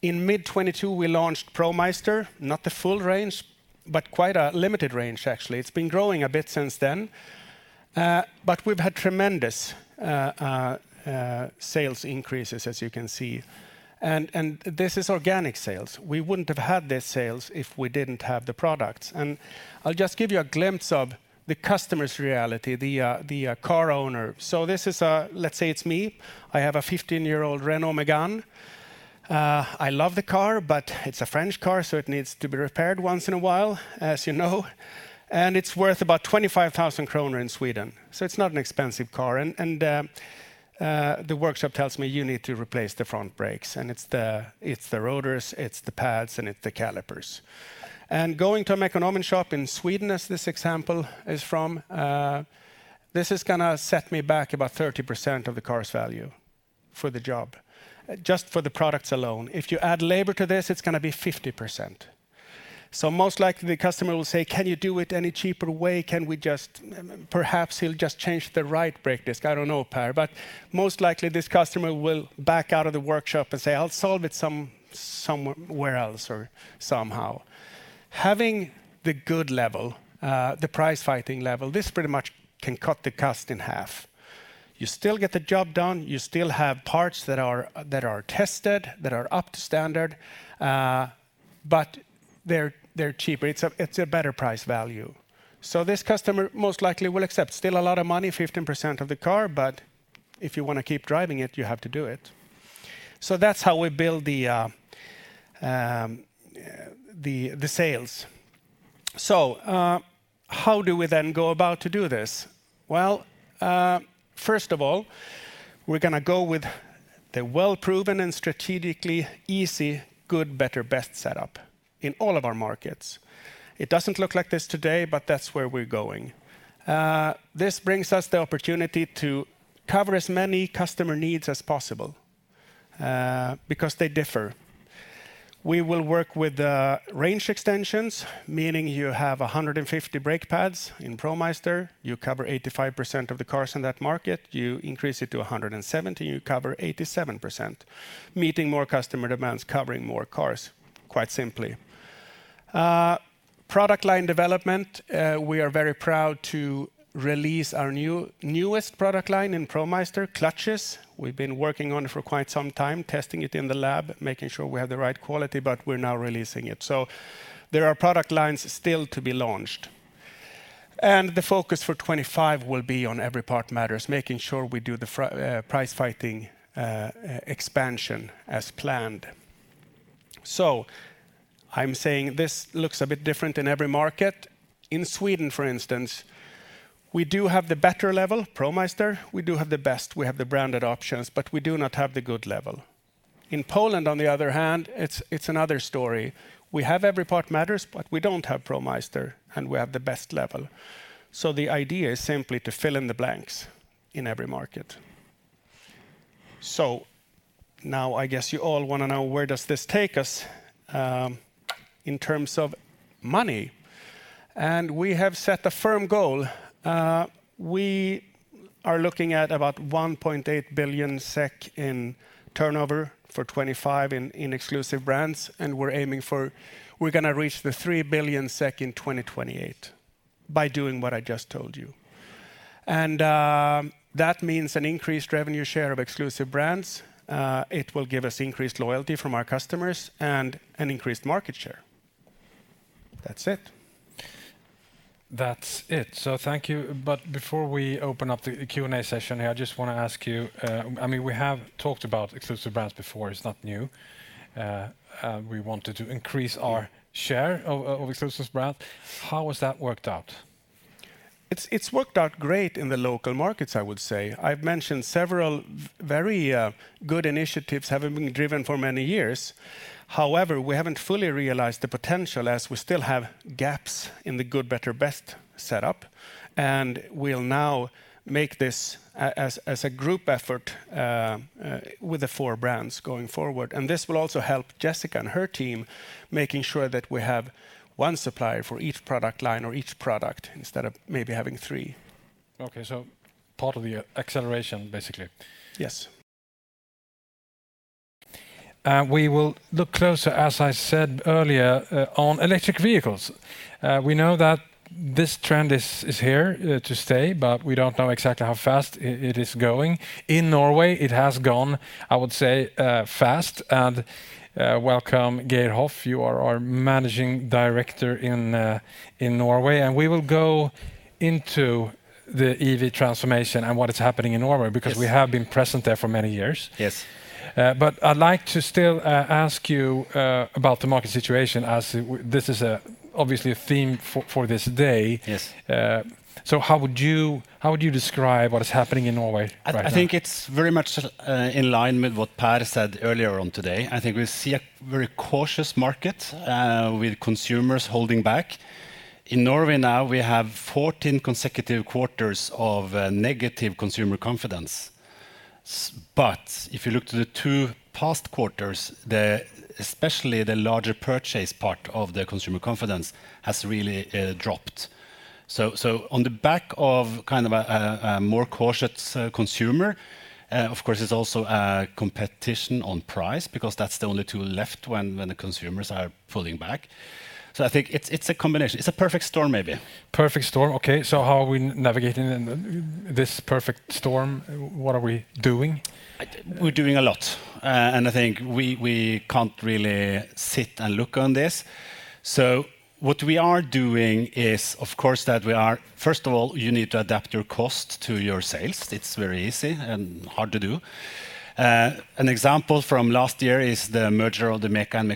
In mid-2022, we launched ProMeister, not the full range, but quite a limited range, actually. It's been growing a bit since then. But we've had tremendous sales increases, as you can see. And this is organic sales. We wouldn't have had these sales if we didn't have the products. I'll just give you a glimpse of the customer's reality, the car owner. This is a, let's say it's me. I have a 15-year-old Renault Mégane. I love the car, but it's a French car, so it needs to be repaired once in a while as it's worth about 25,000 kronor in Sweden. It's not an expensive car. The workshop tells me you need to replace the front brakes. It's the rotors, it's the pads, and it's the calipers. Going to a Mekonomen shop in Sweden, as this example is from, this is going to set me back about 30% of the car's value for the job, just for the products alone. If you add labor to this, it's going to be 50%. Most likely the customer will say, "Can you do it any cheaper way? Can we just, perhaps he'll just change the right brake disc?" I don't know, Per, but most likely this customer will back out of the workshop and say, "I'll solve it somewhere else or somehow." Having the good level, the price-fighting level, this pretty much can cut the cost in half. You still get the job done. You still have parts that are tested, that are up to standard, but they're cheaper. It's a better price value. So this customer most likely will accept still a lot of money, 15% of the car, but if you want to keep driving it, you have to do it. So that's how we build the sales. So how do we then go about to do this? Well, first of all, we're going to go with the well-proven and strategically easy, good, better, best setup in all of our markets. It doesn't look like this today, but that's where we're going. This brings us the opportunity to cover as many customer needs as possible because they differ. We will work with range extensions, meaning you have 150 brake pads in ProMeister. You cover 85% of the cars in that market. You increase it to 170, you cover 87%, meeting more customer demands, covering more cars, quite simply. Product line development. We are very proud to release our newest product line in ProMeister, clutches. We've been working on it for quite some time, testing it in the lab, making sure we have the right quality, but we're now releasing it. There are product lines still to be launched. The focus for 2025 will be on Every Part Matters, making sure we do the price-fighting expansion as planned. I'm saying this looks a bit different in every market. In Sweden, for instance, we do have the better level, ProMeister. We do have the best. We have the branded options, but we do not have the good level. In Poland, on the other hand, it's another story. We have Every Part Matters, but we don't have ProMeister, and we have the best level. So the idea is simply to fill in the blanks in every market. So now I guess you all want to know where does this take us in terms of money. And we have set a firm goal. We are looking at about 1.8 billion SEK in turnover for 2025 in exclusive brands, and we're aiming for, we're going to reach the 3 billion SEK in 2028 by doing what I just told you. And that means an increased revenue share of exclusive brands. It will give us increased loyalty from our customers and an increased market share. That's it. That's it. So thank you. But before we open up the Q&A session here, I just want to ask you, we have talked about exclusive brands before. It's not new. We wanted to increase our share of exclusive brands. How has that worked out? It's worked out great in the local markets, I would say. I've mentioned several very good initiatives having been driven for many years. However, we haven't fully realized the potential as we still have gaps in the good, better, best setup, and we'll now make this as a group effort with the four brands going forward, and this will also help Jessica and her team making sure that we have one supplier for each product line or each product instead of maybe having three. Okay, so part of the acceleration, basically. Yes. We will look closer, as I said earlier, on electric vehicles. We know that this trend is here to stay, but we don't know exactly how fast it is going. In Norway, it has gone, I would say, fast. And welcome, Geir Hoff. You are our managing director in Norway. And we will go into the EV transformation and what is happening in Norway because we have been present there for many years. But I'd like to still ask you about the market situation as this is obviously a theme for this day. So how would you describe what is happening in Norway? I think it's very much in line with what Pehr said earlier on today. I think we see a very cautious market with consumers holding back. In Norway now, we have 14 consecutive quarters of negative consumer confidence. But if you look to the two past quarters, especially the larger purchase part of the consumer confidence has really dropped. So on the back of kind of a more cautious consumer, of course, it's also a competition on price because that's the only tool left when the consumers are pulling back. So I think it's a combination. It's a perfect storm, maybe. Perfect storm. Okay, so how are we navigating this perfect storm? What are we doing? We're doing a lot, and I think we can't really sit and look on this. So what we are doing is, of course, that we are. First of all, you need to adapt your cost to your sales. It's very easy and hard to do. An example from last year is the merger of the MECA and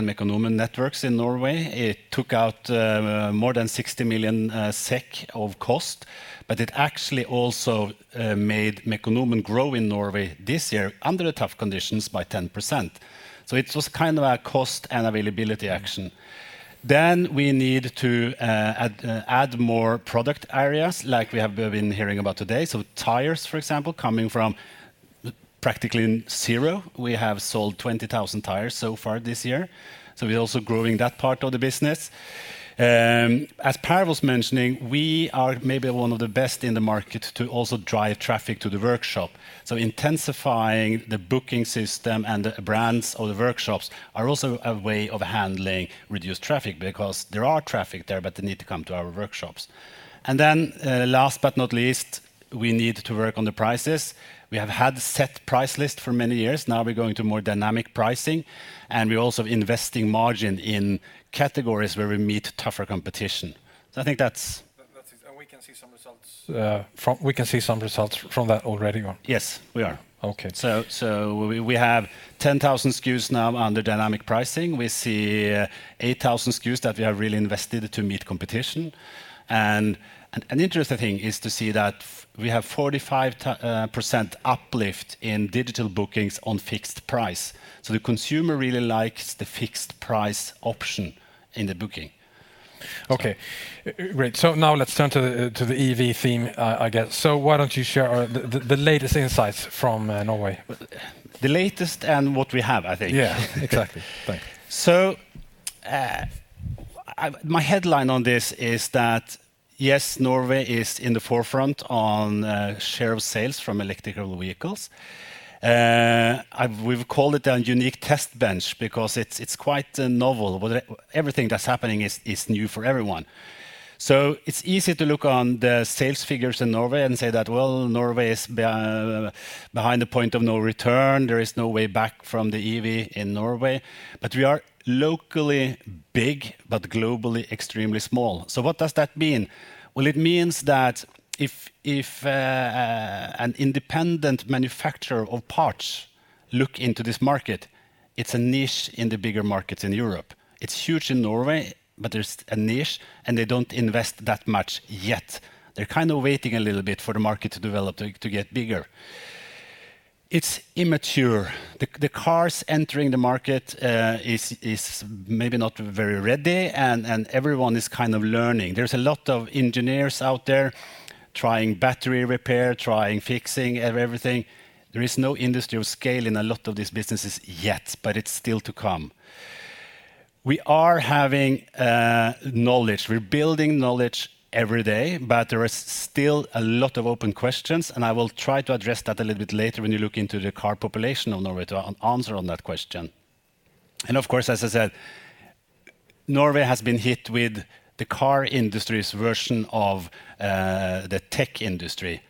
Mekonomen networks in Norway. It took out more than 60 million SEK of cost, but it actually also made Mekonomen grow in Norway this year under the tough conditions by 10%. So it was kind of a cost and availability action. Then we need to add more product areas like we have been hearing about today. So tires, for example, coming from practically zero. We have sold 20,000 tires so far this year. So we're also growing that part of the business. As Pehr was mentioning, we are maybe one of the best in the market to also drive traffic to the workshop. So intensifying the booking system and the brands of the workshops are also a way of handling reduced traffic because there are traffic there, but they need to come to our workshops. And then last but not least, we need to work on the prices. We have had a set price list for many years. Now we're going to more dynamic pricing. And we're also investing margin in categories where we meet tougher competition. So I think that's. And we can see some results from that already? Yes, we are, so we have 10,000 SKUs now under dynamic pricing. We see 8,000 SKUs that we have really invested to meet competition, and an interesting thing is to see that we have 45% uplift in digital bookings on fixed price, so the consumer really likes the fixed price option in the booking. Okay, great. So now let's turn to the EV theme, I guess. So why don't you share the latest insights from Norway? The latest and what we have, I think. Yeah, exactly. Thanks. My headline on this is that, yes, Norway is in the forefront on share of sales from electric vehicles. We've called it a unique test bench because it's quite novel. Everything that's happening is new for everyone. It's easy to look on the sales figures in Norway and say that, well, Norway is behind the point of no return. There is no way back from the EV in Norway. But we are locally big, but globally extremely small. What does that mean? Well, it means that if an independent manufacturer of parts looks into this market, it's a niche in the bigger markets in Europe. It's huge in Norway, but there's a niche, and they don't invest that much yet. They're kind of waiting a little bit for the market to develop, to get bigger. It's immature. The cars entering the market is maybe not very ready, and everyone is kind of learning. There's a lot of engineers out there trying battery repair, trying fixing everything. There is no industry of scaling a lot of these businesses yet, but it's still to come. We are having knowledge. We're building knowledge every day, but there are still a lot of open questions, and I will try to address that a little bit later when you look into the car population of Norway to answer on that question, and of course, as I said, Norway has been hit with the car industry's version of the tech industry.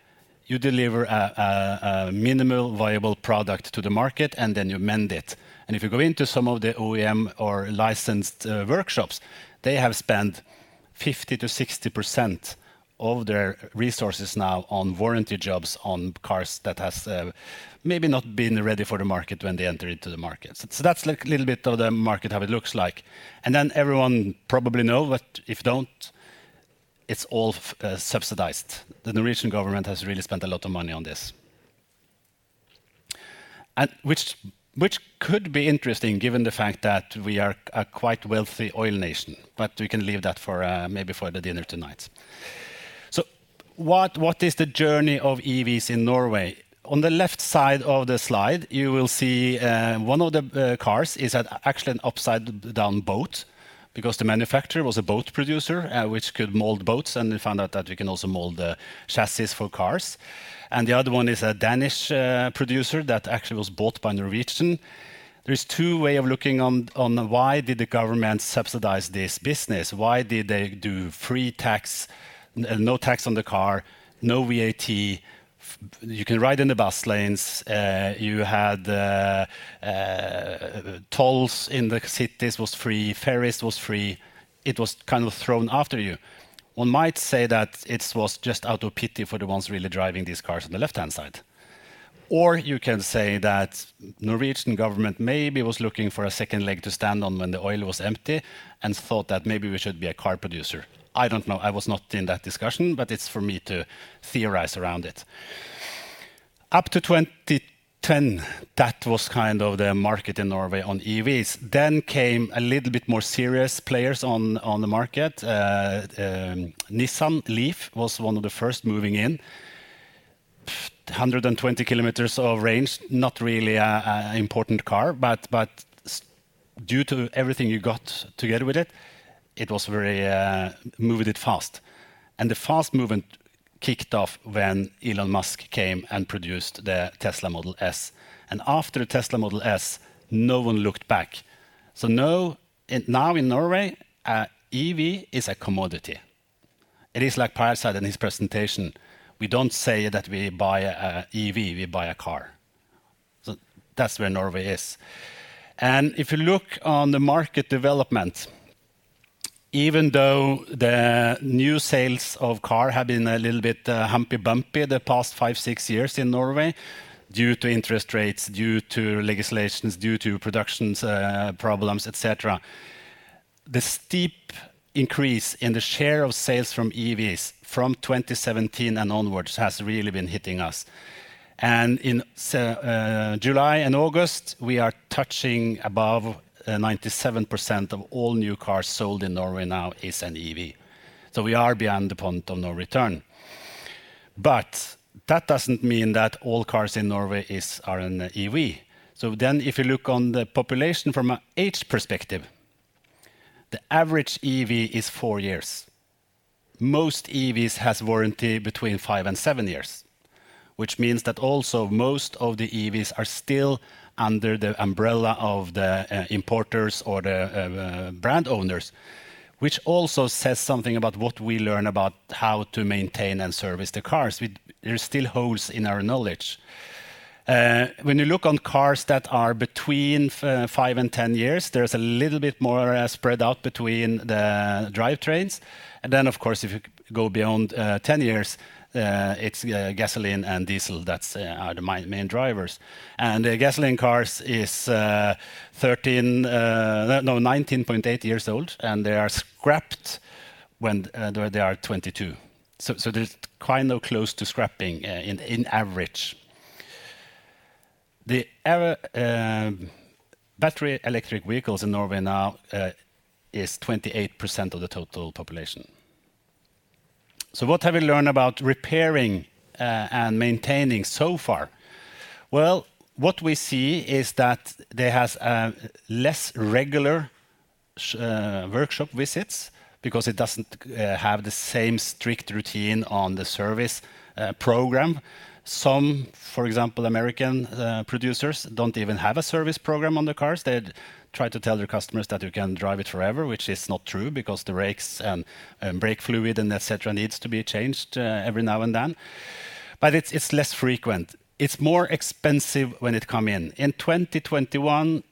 You deliver a minimal viable product to the market, and then you mend it. If you go into some of the OEM or licensed workshops, they have spent 50%-60% of their resources now on warranty jobs on cars that have maybe not been ready for the market when they enter into the market. That's a little bit of the market, how it looks like. Then everyone probably knows, but if you don't, it's all subsidized. The Norwegian government has really spent a lot of money on this, which could be interesting given the fact that we are a quite wealthy oil nation, but we can leave that for maybe for the dinner tonight. What is the journey of EVs in Norway? On the left side of the slide, you will see one of the cars is actually an upside-down boat because the manufacturer was a boat producer, which could mold boats, and they found out that we can also mold the chassis for cars, and the other one is a Danish producer that actually was bought by Norwegian. There is two ways of looking on why did the government subsidize this business? Why did they do free tax, no tax on the car, no VAT? You can ride in the bus lanes. You had tolls in the cities that were free. Ferries were free. It was kind of thrown after you. One might say that it was just out of pity for the ones really driving these cars on the left-hand side. Or you can say that the Norwegian government maybe was looking for a second leg to stand on when the oil was empty and thought that maybe we should be a car producer. I don't know. I was not in that discussion, but it's for me to theorize around it. Up to 2010, that was kind of the market in Norway on EVs. Then came a little bit more serious players on the market. Nissan Leaf was one of the first moving in. 120 km of range, not really an important car, but due to everything you got together with it, it was very moving it fast. And the fast movement kicked off when Elon Musk came and produced the Tesla Model S. And after the Tesla Model S, no one looked back. So now in Norway, EV is a commodity. It is like Pehr said in his presentation. We don't say that we buy an EV. We buy a car, so that's where Norway is, and if you look on the market development, even though the new sales of cars have been a little bit humpy-bumpy the past five, six years in Norway due to interest rates, due to legislations, due to production problems, etc., the steep increase in the share of sales from EVs from 2017 and onwards has really been hitting us, and in July and August, we are touching above 97% of all new cars sold in Norway now is an EV, so we are beyond the point of no return, but that doesn't mean that all cars in Norway are an EV, so then if you look on the population from an age perspective, the average EV is four years. Most EVs have warranty between five and seven years, which means that also most of the EVs are still under the umbrella of the importers or the brand owners, which also says something about what we learn about how to maintain and service the cars. There are still holes in our knowledge. When you look on cars that are between five and ten years, there is a little bit more spread out between the drivetrains. And then, of course, if you go beyond ten years, it's gasoline and diesel that are the main drivers. And the gasoline cars are 13, no, 19.8 years old, and they are scrapped when they are 22. So they're quite close to scrapping in average. The battery electric vehicles in Norway now are 28% of the total population. So what have we learned about repairing and maintaining so far? What we see is that there are less regular workshop visits because it doesn't have the same strict routine on the service program. Some, for example, American producers don't even have a service program on the cars. They try to tell their customers that you can drive it forever, which is not true because the brakes and brake fluid and etc. need to be changed every now and then. But it's less frequent. It's more expensive when it comes in. In 2021,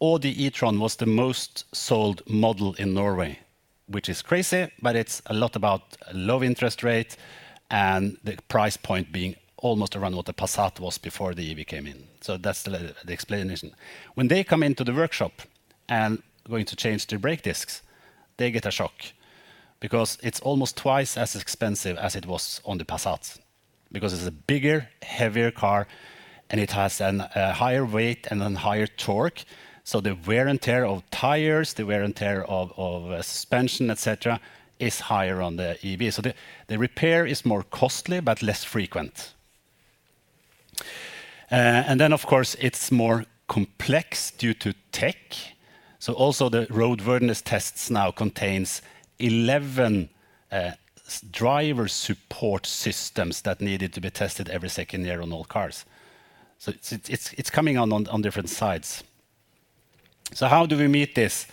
Audi e-tron was the most sold model in Norway, which is crazy, but it's a lot about low interest rate and the price point being almost around what the Passat was before the EV came in, so that's the explanation. When they come into the workshop and are going to change their brake discs, they get a shock because it's almost twice as expensive as it was on the Passat because it's a bigger, heavier car, and it has a higher weight and a higher torque. So the wear and tear of tires, the wear and tear of suspension, etc., is higher on the EV. So the repair is more costly but less frequent. And then, of course, it's more complex due to tech. So also the roadworthiness tests now contain 11 driver support systems that needed to be tested every second year on all cars. So it's coming on different sides. So how do we meet this?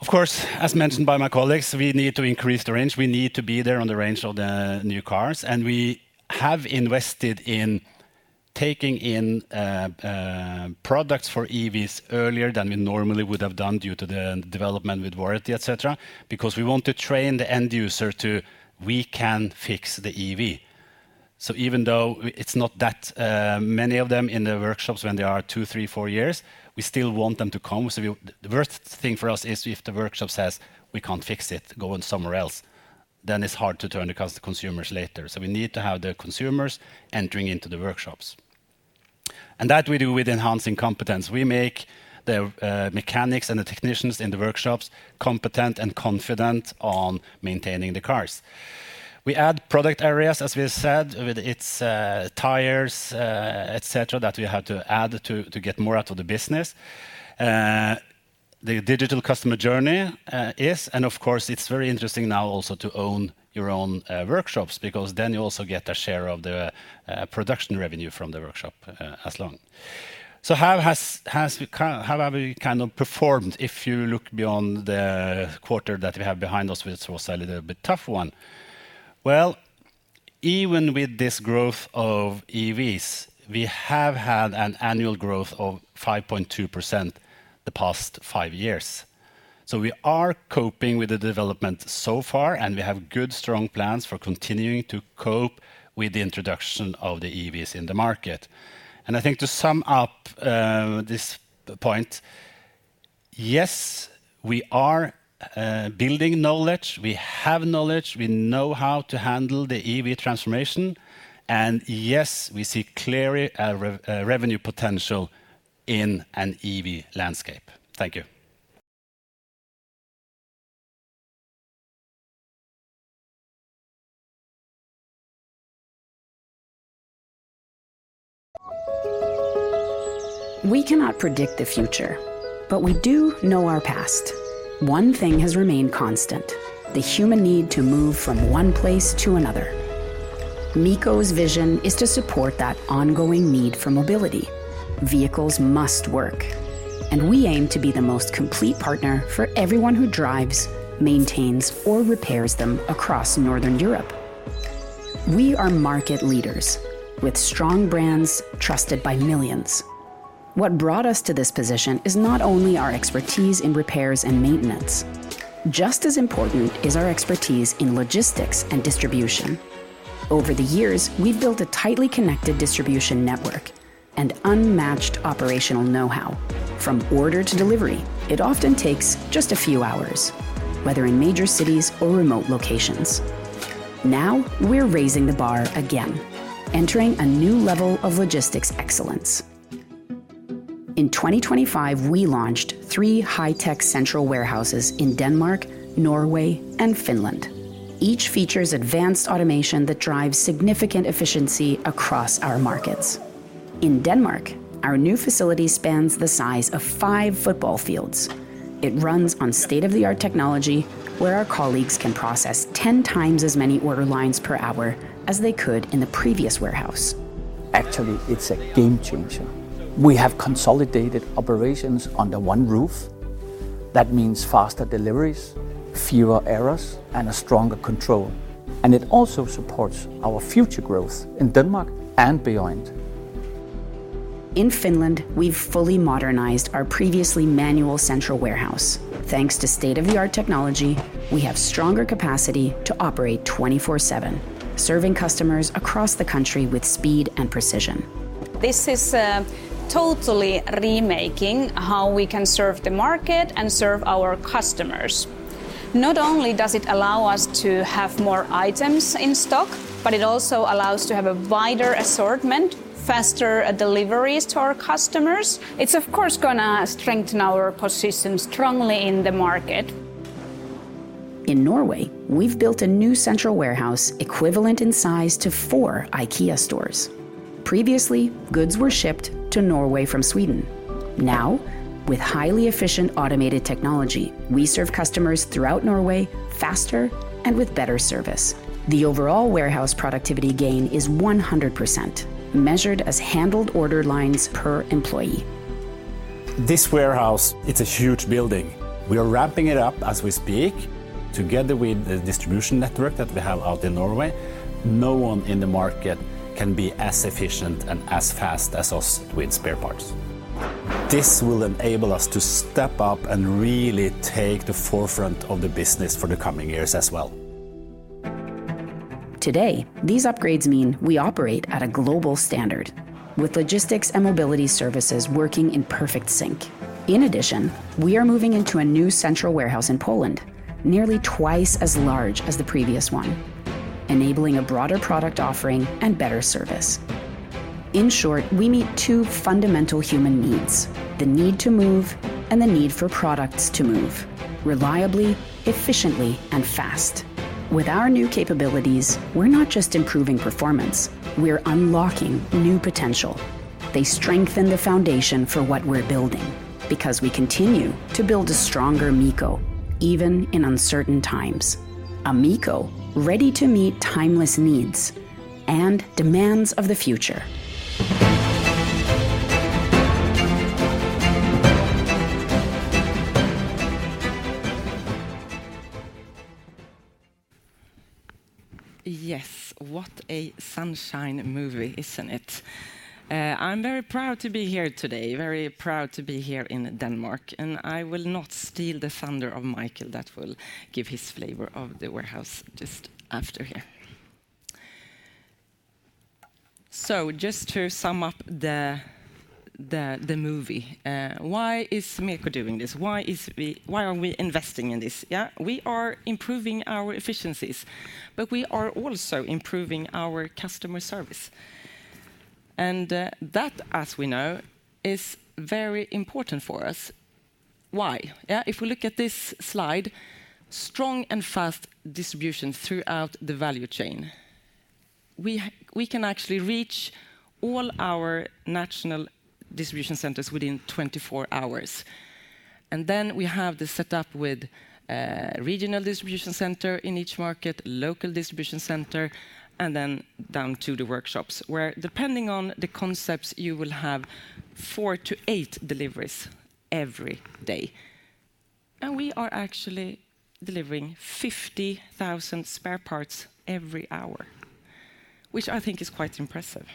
Of course, as mentioned by my colleagues, we need to increase the range. We need to be there on the range of the new cars. And we have invested in taking in products for EVs earlier than we normally would have done due to the development with warranty, etc., because we want to train the end user to, "We can fix the EV." So even though it's not that many of them in the workshops when they are two, three, four years, we still want them to come. So the worst thing for us is if the workshop says, "We can't fix it, go on somewhere else," then it's hard to turn to consumers later. So we need to have the consumers entering into the workshops. And that we do with enhancing competence. We make the mechanics and the technicians in the workshops competent and confident on maintaining the cars. We add product areas, as we said, with its tires, etc., that we have to add to get more out of the business. The digital customer journey is, and of course, it's very interesting now also to own your own workshops because then you also get a share of the production revenue from the workshop as long, so how have we kind of performed if you look beyond the quarter that we have behind us, which was a little bit tough one? Well, even with this growth of EVs, we have had an annual growth of 5.2% the past five years, so we are coping with the development so far, and we have good, strong plans for continuing to cope with the introduction of the EVs in the market, and I think to sum up this point, yes, we are building knowledge. We have knowledge. We know how to handle the EV transformation, and yes, we see clearly a revenue potential Vehicles must work, and we aim to be the most complete partner for everyone who drives, maintains, or repairs them across Northern Europe. We are market leaders with strong brands trusted by millions. What brought us to this position is not only our expertise in repairs and maintenance. Just as important is our expertise in logistics and distribution. Over the years, we've built a tightly connected distribution network and unmatched operational know-how. From order to delivery, it often takes just a few hours, whether in major cities or remote locations. Now we're raising the bar again, entering a new level of logistics excellence. In 2025, we launched three high-tech central warehouses in Denmark, Norway, and Finland. Each features advanced automation that drives significant efficiency across our markets. In Denmark, our new facility spans the size of five football fields. It runs on state-of-the-art technology where our colleagues can process 10 times as many order lines per hour as they could in the previous warehouse. Actually, it's a game changer. We have consolidated operations under one roof. That means faster deliveries, fewer errors, and a stronger control, and it also supports our future growth in Denmark and beyond. In Finland, we've fully modernized our previously manual central warehouse. Thanks to state-of-the-art technology, we have stronger capacity to operate 24/7, serving customers across the country with speed and precision. This is totally remaking how we can serve the market and serve our customers. Not only does it allow us to have more items in stock, but it also allows us to have a wider assortment, faster deliveries to our customers. It's, of course, going to strengthen our position strongly in the market. In Norway, we've built a new central warehouse equivalent in size to four IKEA stores. Previously, goods were shipped to Norway from Sweden. Now, with highly efficient automated technology, we serve customers throughout Norway faster and with better service. The overall warehouse productivity gain is 100%, measured as handled order lines per employee. This warehouse, it's a huge building. We are ramping it up as we speak together with the distribution network that we have out in Norway. No one in the market can be as efficient and as fast as us with spare parts. This will enable us to step up and really take the forefront of the business for the coming years as well. Today, these upgrades mean we operate at a global standard with logistics and mobility services working in perfect sync. In addition, we are moving into a new central warehouse in Poland, nearly twice as large as the previous one, enabling a broader product offering and better service. In short, we meet two fundamental human needs: the need to move and the need for products to move reliably, efficiently, and fast. With our new capabilities, we're not just improving performance. We're unlocking new potential. They strengthen the foundation for what we're building because we continue to build a stronger MEKO, even in uncertain times, a MEKO ready to meet timeless needs and demands of the future. Yes, what a sunshine movie, isn't it? I'm very proud to be here today, very proud to be here in Denmark. And I will not steal the thunder of Michael that will give his flavor of the warehouse just after here. So just to sum up the movie, why is MEKO doing this? Why are we investing in this? Yeah, we are improving our efficiencies, but we are also improving our customer service. And that, as we know, is very important for us. Why? Yeah, if we look at this slide, strong and fast distribution throughout the value chain. We can actually reach all our national distribution centers within 24 hours. And then we have the setup with a regional distribution center in each market, local distribution center, and then down to the workshops where, depending on the concepts, you will have four to eight deliveries every day. We are actually delivering 50,000 spare parts every hour, which I think is quite impressive.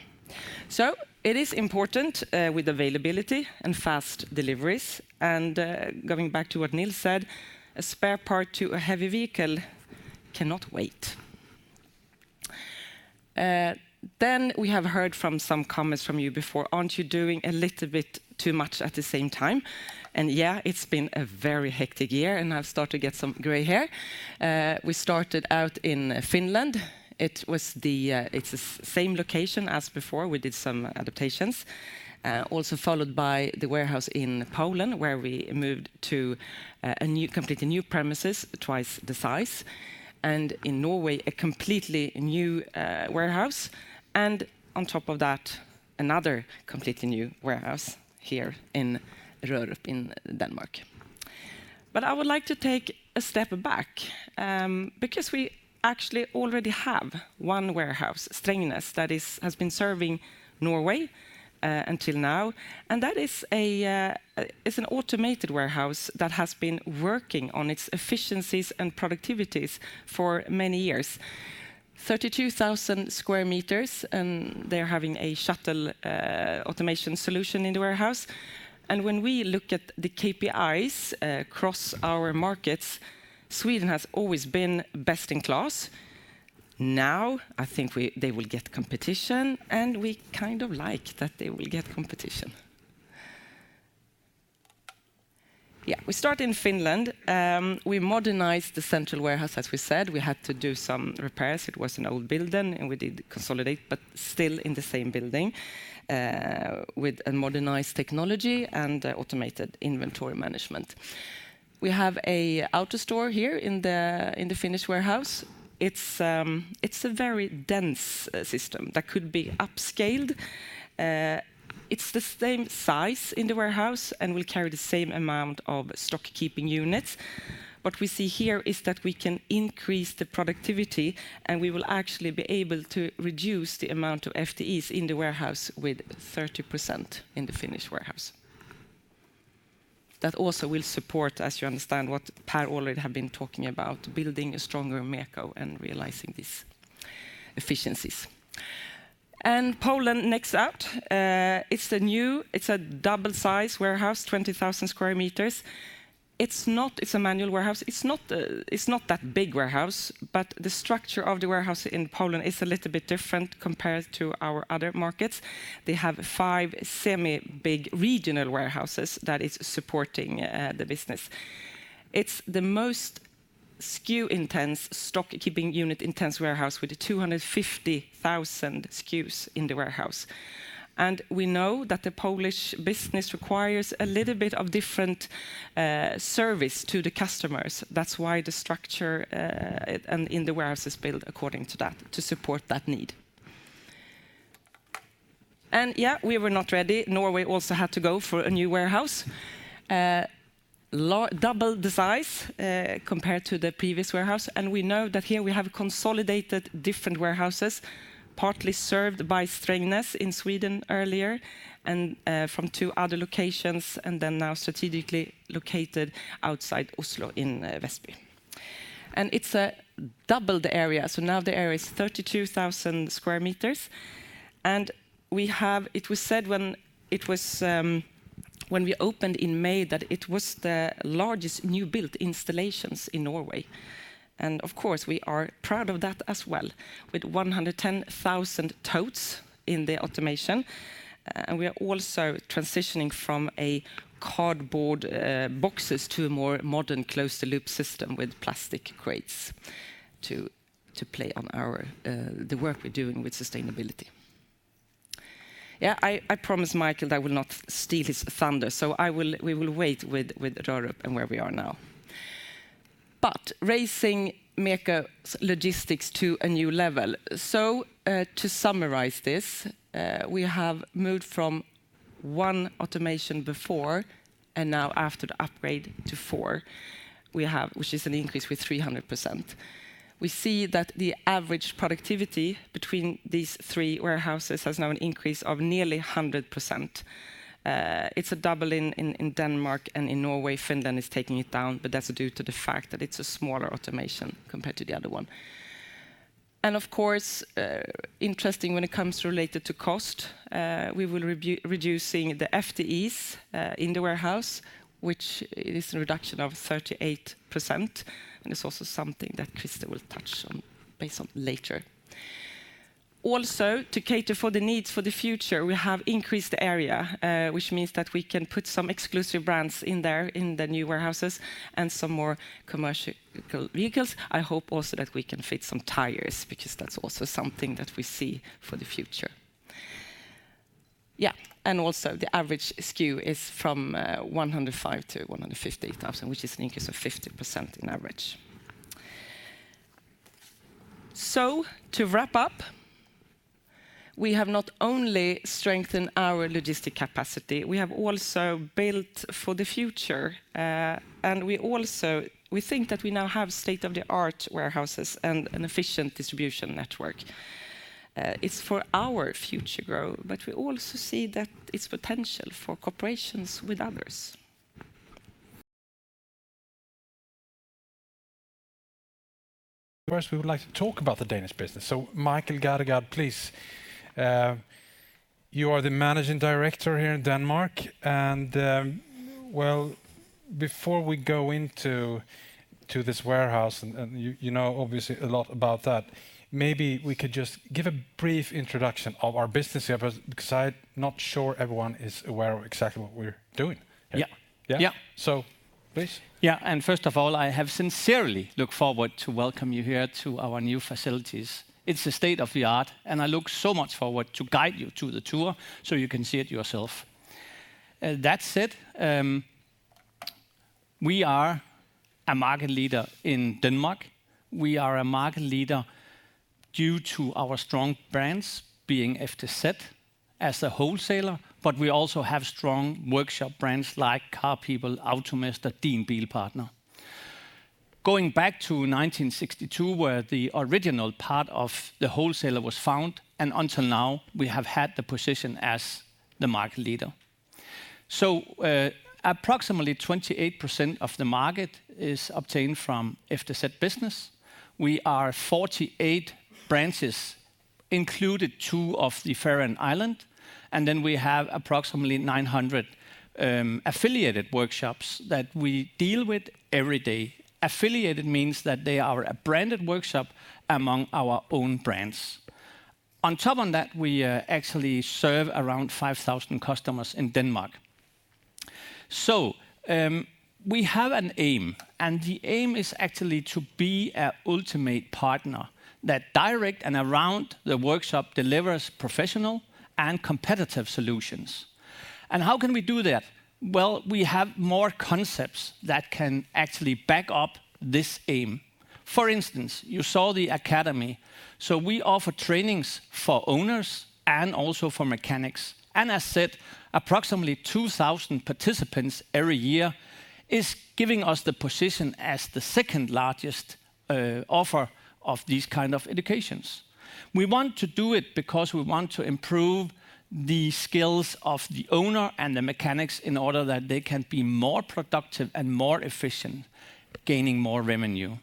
So it is important with availability and fast deliveries. Going back to what Nils said, a spare part to a heavy vehicle cannot wait. We have heard from some comments from you before, "Aren't you doing a little bit too much at the same time?" Yeah, it's been a very hectic year, and I've started to get some gray hair. We started out in Finland. It's the same location as before. We did some adaptations, also followed by the warehouse in Poland where we moved to a completely new premises, twice the size. In Norway, a completely new warehouse. On top of that, another completely new warehouse here in Rørup in Denmark. But I would like to take a step back because we actually already have one warehouse, Strängnäs, that has been serving Norway until now. And that is an automated warehouse that has been working on its efficiencies and productivities for many years. 32,000 square meters, and they're having a shuttle automation solution in the warehouse. And when we look at the KPIs across our markets, Sweden has always been best in class. Now I think they will get competition, and we kind of like that they will get competition. Yeah, we start in Finland. We modernized the central warehouse, as we said. We had to do some repairs. It was an old building, and we did consolidate, but still in the same building with modernized technology and automated inventory management. We have an AutoStore here in the Finnish warehouse. It's a very dense system that could be upscaled. It's the same size in the warehouse and will carry the same amount of stock-keeping units. What we see here is that we can increase the productivity, and we will actually be able to reduce the amount of FTEs in the warehouse with 30% in the Finnish warehouse. That also will support, as you understand, what Pehr already had been talking about, building a stronger MEKO and realizing these efficiencies. And Poland next out. It's a new, it's a double-sized warehouse, 20,000 square meters. It's not a manual warehouse. It's not that big warehouse, but the structure of the warehouse in Poland is a little bit different compared to our other markets. They have five semi-big regional warehouses that are supporting the business. It's the most SKU-intense, stock-keeping unit-intense warehouse with 250,000 SKUs in the warehouse. We know that the Polish business requires a little bit of different service to the customers. That's why the structure in the warehouse is built according to that to support that need. Yeah, we were not ready. Norway also had to go for a new warehouse, double the size compared to the previous warehouse. We know that here we have consolidated different warehouses, partly served by Strängnäs in Sweden earlier and from two other locations, and then now strategically located outside Oslo in Vestby. It's a doubled area. Now the area is 32,000 sq m. It was said when we opened in May that it was the largest new-built installation in Norway. Of course, we are proud of that as well with 110,000 totes in the automation. And we are also transitioning from cardboard boxes to a more modern closed-loop system with plastic crates to play on the work we're doing with sustainability. Yeah, I promised Michael that I will not steal his thunder, so we will wait with Rørup and where we are now. But raising MEKO's logistics to a new level. So to summarize this, we have moved from one automation before and now after the upgrade to four, which is an increase with 300%. We see that the average productivity between these three warehouses has now an increase of nearly 100%. It's a double in Denmark, and in Norway, Finland is taking it down, but that's due to the fact that it's a smaller automation compared to the other one. Of course, it's interesting when it comes to cost. We will be reducing the FTEs in the warehouse, which is a reduction of 38%. It's also something that Christer will touch on later. To cater for the needs for the future, we have increased the area, which means that we can put some exclusive brands in there in the new warehouses and some more commercial vehicles. I hope also that we can fit some tires because that's also something that we see for the future. Yeah, and also the average SKU is from 105,000-150,000, which is an increase of 50% on average. To wrap up, we have not only strengthened our logistics capacity, we have also built for the future. We think that we now have state-of-the-art warehouses and an efficient distribution network. It's for our future growth, but we also see that its potential for cooperation with others. First, we would like to talk about the Danish business. So, Michael Gadegaard, please. You are the managing director here in Denmark. And, well, before we go into this warehouse, and obviously a lot about that, maybe we could just give a brief introduction of our business here because I'm not sure everyone is aware of exactly what we're doing. Yeah, so please. Yeah, and first of all, I have sincerely looked forward to welcoming you here to our new facilities. It's state-of-the-art, and I look so much forward to guide you through the tour so you can see it yourself. That said, we are a market leader in Denmark. We are a market leader due to our strong brands being FTZ as a wholesaler, but we also have strong workshop brands like CarPeople, AutoMester, Din Bilpartner. Going back to 1962, where the original part of the wholesaler was found, and until now, we have had the position as the market leader. So approximately 28% of the market is obtained from FTZ business. We are 48 branches, including two of the Faroe Islands. And then we have approximately 900 affiliated workshops that we deal with every day. Affiliated means that they are a branded workshop among our own brands. On top of that, we actually serve around 5,000 customers in Denmark. So we have an aim, and the aim is actually to be an ultimate partner that directs and around the workshop delivers professional and competitive solutions. And how can we do that? Well, we have more concepts that can actually back up this aim. For instance, you saw the academy. So we offer trainings for owners and also for mechanics. And as said, approximately 2,000 participants every year is giving us the position as the second largest offer of these kinds of educations. We want to do it because we want to improve the skills of the owner and the mechanics in order that they can be more productive and more efficient, gaining more revenue.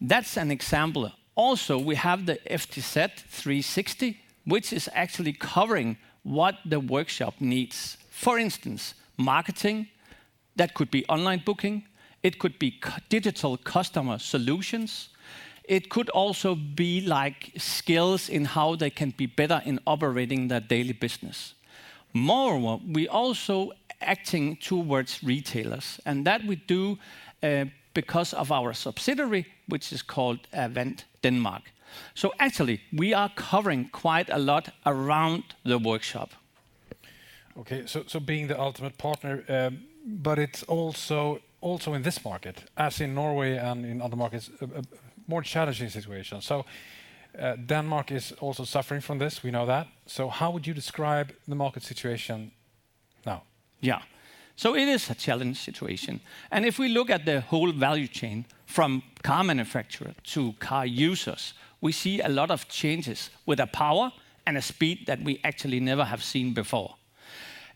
That's an example. Also, we have the FTZ 360, which is actually covering what the workshop needs. For instance, marketing, that could be online booking. It could be digital customer solutions. It could also be like skills in how they can be better in operating their daily business. Moreover, we are also acting towards retailers, and that we do because of our subsidiary, which is called FTZ in Denmark. So actually, we are covering quite a lot around the workshop. Okay, so being the ultimate partner, but it's also in this market, as in Norway and in other markets, a more challenging situation. So Denmark is also suffering from this. We know that. So how would you describe the market situation now? Yeah, so it is a challenging situation. And if we look at the whole value chain from car manufacturer to car users, we see a lot of changes with a power and a speed that we actually never have seen before.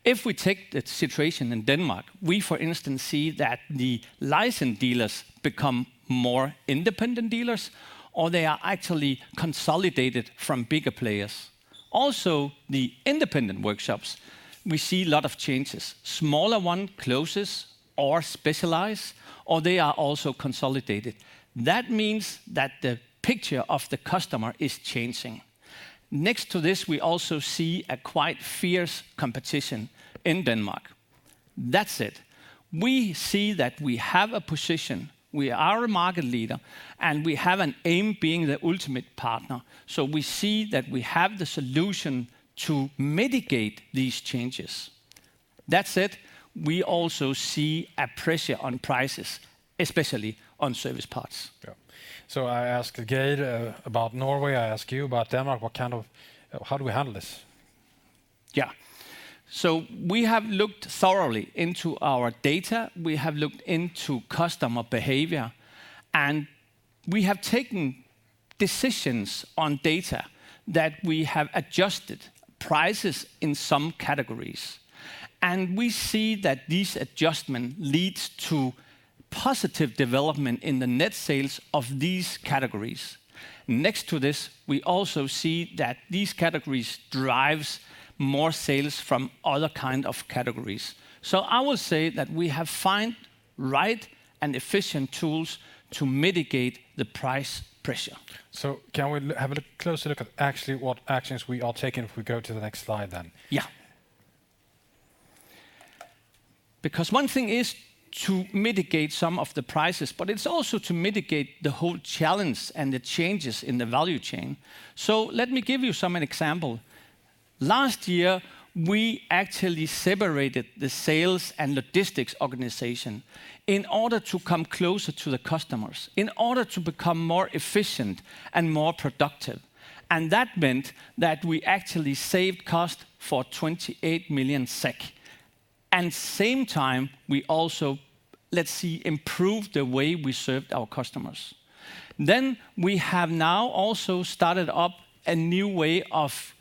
If we take the situation in Denmark, we, for instance, see that the licensed dealers become more independent dealers, or they are actually consolidated from bigger players. Also, the independent workshops, we see a lot of changes. Smaller ones close or specialize, or they are also consolidated. That means that the picture of the customer is changing. Next to this, we also see a quite fierce competition in Denmark. That said, we see that we have a position. We are a market leader, and we have an aim being the ultimate partner. So we see that we have the solution to mitigate these changes. That said, we also see a pressure on prices, especially on service parts. Yeah, so I asked Geir about Norway. I asked you about Denmark. What kind of, how do we handle this? Yeah, so we have looked thoroughly into our data. We have looked into customer behavior, and we have taken decisions on data that we have adjusted prices in some categories, and we see that these adjustments lead to positive development in the net sales of these categories. Next to this, we also see that these categories drive more sales from other kinds of categories, so I will say that we have found right and efficient tools to mitigate the price pressure. So, can we have a closer look at actually what actions we are taking if we go to the next slide then? Yeah, because one thing is to mitigate some of the prices, but it's also to mitigate the whole challenge and the changes in the value chain. So let me give you some examples. Last year, we actually separated the sales and logistics organization in order to come closer to the customers, in order to become more efficient and more productive. And that meant that we actually saved costs for 28 million SEK. And at the same time, we also, let's see, improved the way we served our customers. Then we have now also started up a new way of,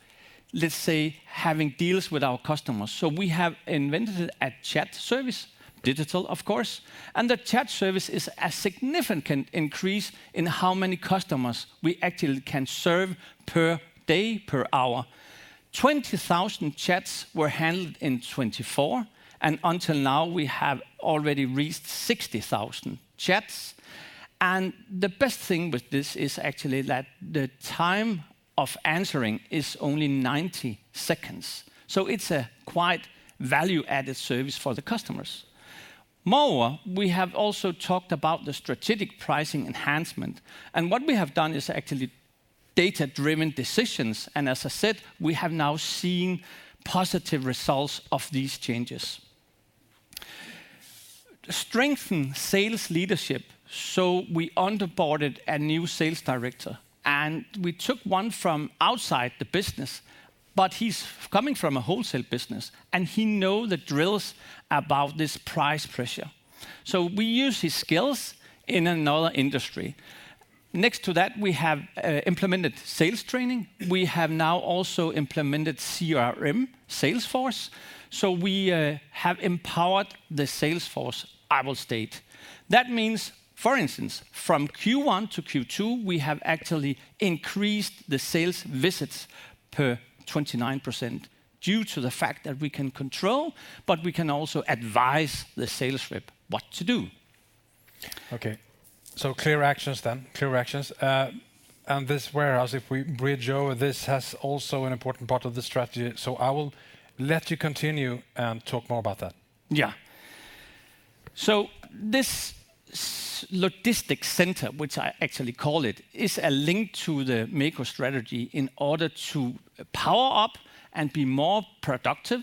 let's say, having deals with our customers. So we have invented a chat service, digital, of course. And the chat service is a significant increase in how many customers we actually can serve per day, per hour. 20,000 chats were handled in 2024, and until now, we have already reached 60,000 chats. And the best thing with this is actually that the time of answering is only 90 seconds. So it's a quite value-added service for the customers. Moreover, we have also talked about the strategic pricing enhancement. And what we have done is actually data-driven decisions. And as I said, we have now seen positive results of these changes. Strengthen sales leadership. So we onboarded a new sales director, and we took one from outside the business, but he's coming from a wholesale business, and he knows the drills about this price pressure. So we use his skills in another industry. Next to that, we have implemented sales training. We have now also implemented CRM, Salesforce. So we have empowered the sales force, I will state. That means, for instance, from Q1 to Q2, we have actually increased the sales visits by 29% due to the fact that we can control, but we can also advise the sales rep what to do. Okay, so clear actions then, clear actions. And this warehouse, if we bridge over, this has also an important part of the strategy. So I will let you continue and talk more about that. Yeah, so this logistics center, which I actually call it, is a link to the MEKO strategy in order to power up and be more productive,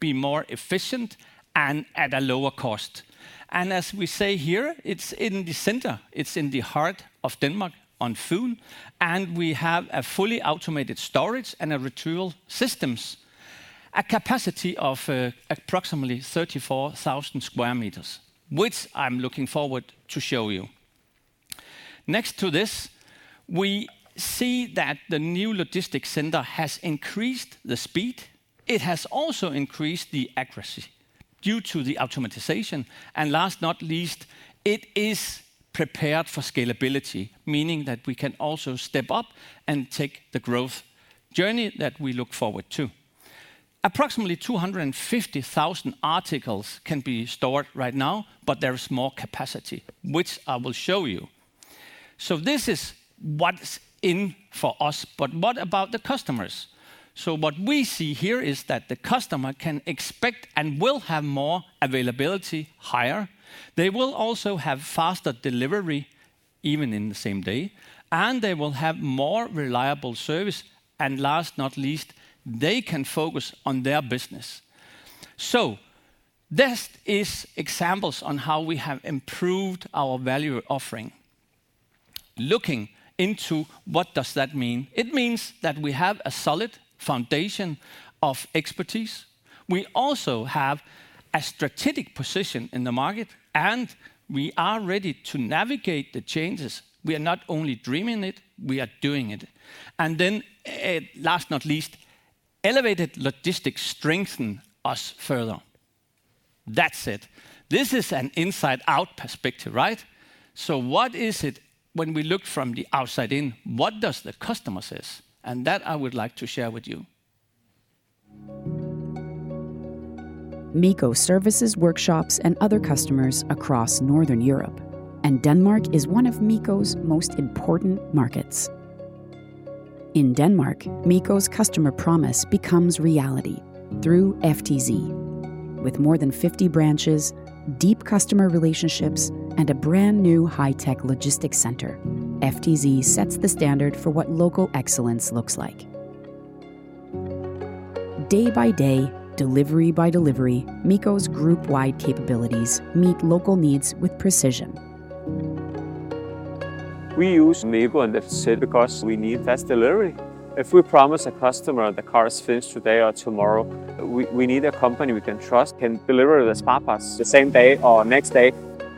be more efficient, and at a lower cost. And as we say here, it's in the center. It's in the heart of Denmark on Fyn, and we have a fully automated storage and a retrieval system, a capacity of approximately 34,000 square meters, which I'm looking forward to show you. Next to this, we see that the new logistics center has increased the speed. It has also increased the accuracy due to the automation. And last but not least, it is prepared for scalability, meaning that we can also step up and take the growth journey that we look forward to. Approximately 250,000 articles can be stored right now, but there is more capacity, which I will show you. So this is what's in it for us, but what about the customers? So what we see here is that the customer can expect and will have more availability, higher. They will also have faster delivery even in the same day, and they will have more reliable service. And last but not least, they can focus on their business. So these are examples on how we have improved our value offering. Looking into what does that mean? It means that we have a solid foundation of expertise. We also have a strategic position in the market, and we are ready to navigate the changes. We are not only dreaming it, we are doing it. And then last but not least, elevated logistics strengthen us further. That said, this is an inside-out perspective, right? So what is it when we look from the outside in? What does the customer say? That I would like to share with you. MEKO services workshops and other customers across Northern Europe, and Denmark is one of MEKO's most important markets. In Denmark, MEKO's customer promise becomes reality through FTZ. With more than 50 branches, deep customer relationships, and a brand new high-tech logistics center, FTZ sets the standard for what local excellence looks like. Day by day, delivery by delivery, MEKO's group-wide capabilities meet local needs with precision. We use MEKO and FTZ because we need fast delivery. If we promise a customer the car is finished today or tomorrow, we need a company we can trust can deliver the spare parts the same day or next day,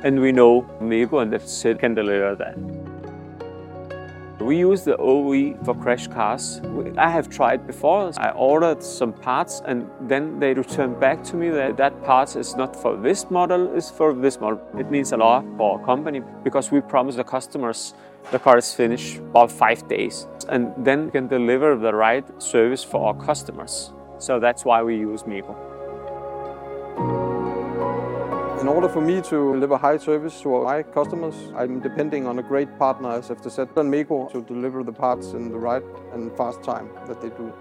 and we know MEKO and FTZ can deliver that. We use the OE for crashed cars. I have tried before. I ordered some parts, and then they returned back to me that that part is not for this model, it's for this model. It means a lot for our company because we promise the customers the car is finished in about five days, and then can deliver the right service for our customers. So that's why we use MEKO. In order for me to deliver high service to my customers, I'm depending on a great partner as FTZ and MEKO to deliver the parts in the right and fast time that they do.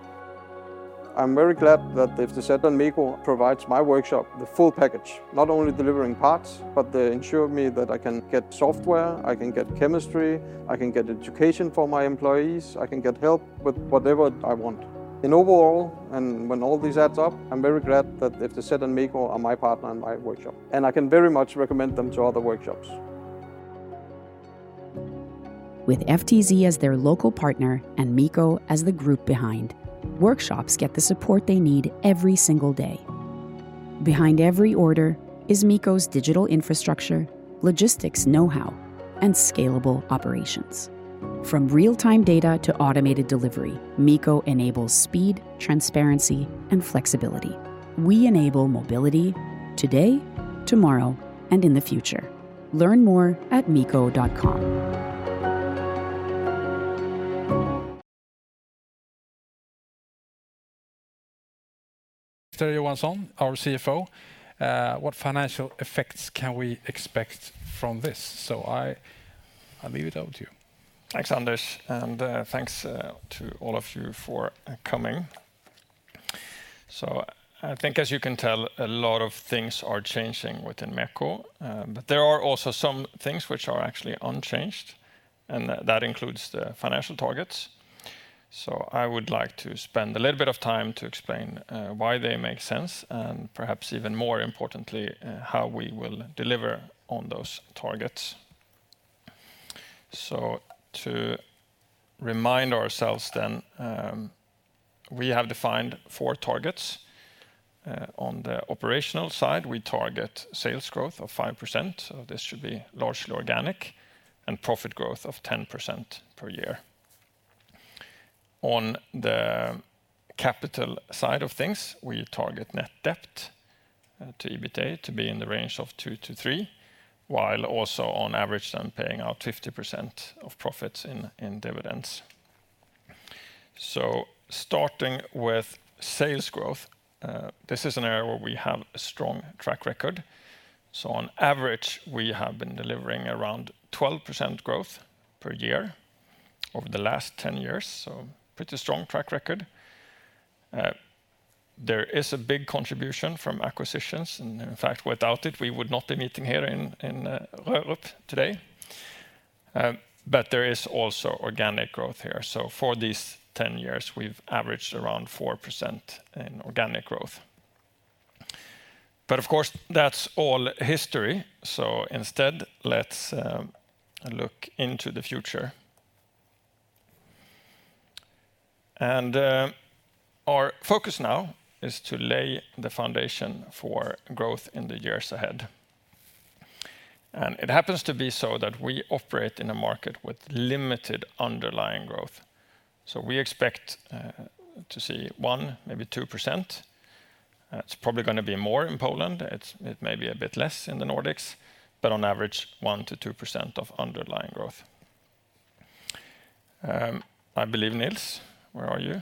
I'm very glad that FTZ and MEKO provide my workshop the full package, not only delivering parts, but they ensure me that I can get software, I can get chemistry, I can get education for my employees, I can get help with whatever I want. And overall, and when all this adds up, I'm very glad that FTZ and MEKO are my partner in my workshop, and I can very much recommend them to other workshops. With FTZ as their local partner and MEKO as the group behind, workshops get the support they need every single day. Behind every order is MEKO's digital infrastructure, logistics know-how, and scalable operations. From real-time data to automated delivery, MEKO enables speed, transparency, and flexibility. We enable mobility today, tomorrow, and in the future. Learn more at meko.com. Mr. Johansson, our CFO, what financial effects can we expect from this? So I leave it over to you. Thanks, Anders, and thanks to all of you for coming. So I think, as you can tell, a lot of things are changing within MEKO, but there are also some things which are actually unchanged, and that includes the financial targets. So I would like to spend Our focus now is to lay the foundation for growth in the years ahead. It happens to be so that we operate in a market with limited underlying growth. We expect to see one, maybe 2%. It's probably going to be more in Poland. It may be a bit less in the Nordics, but on average, 1%-2% of underlying growth. I believe Nils, where are you?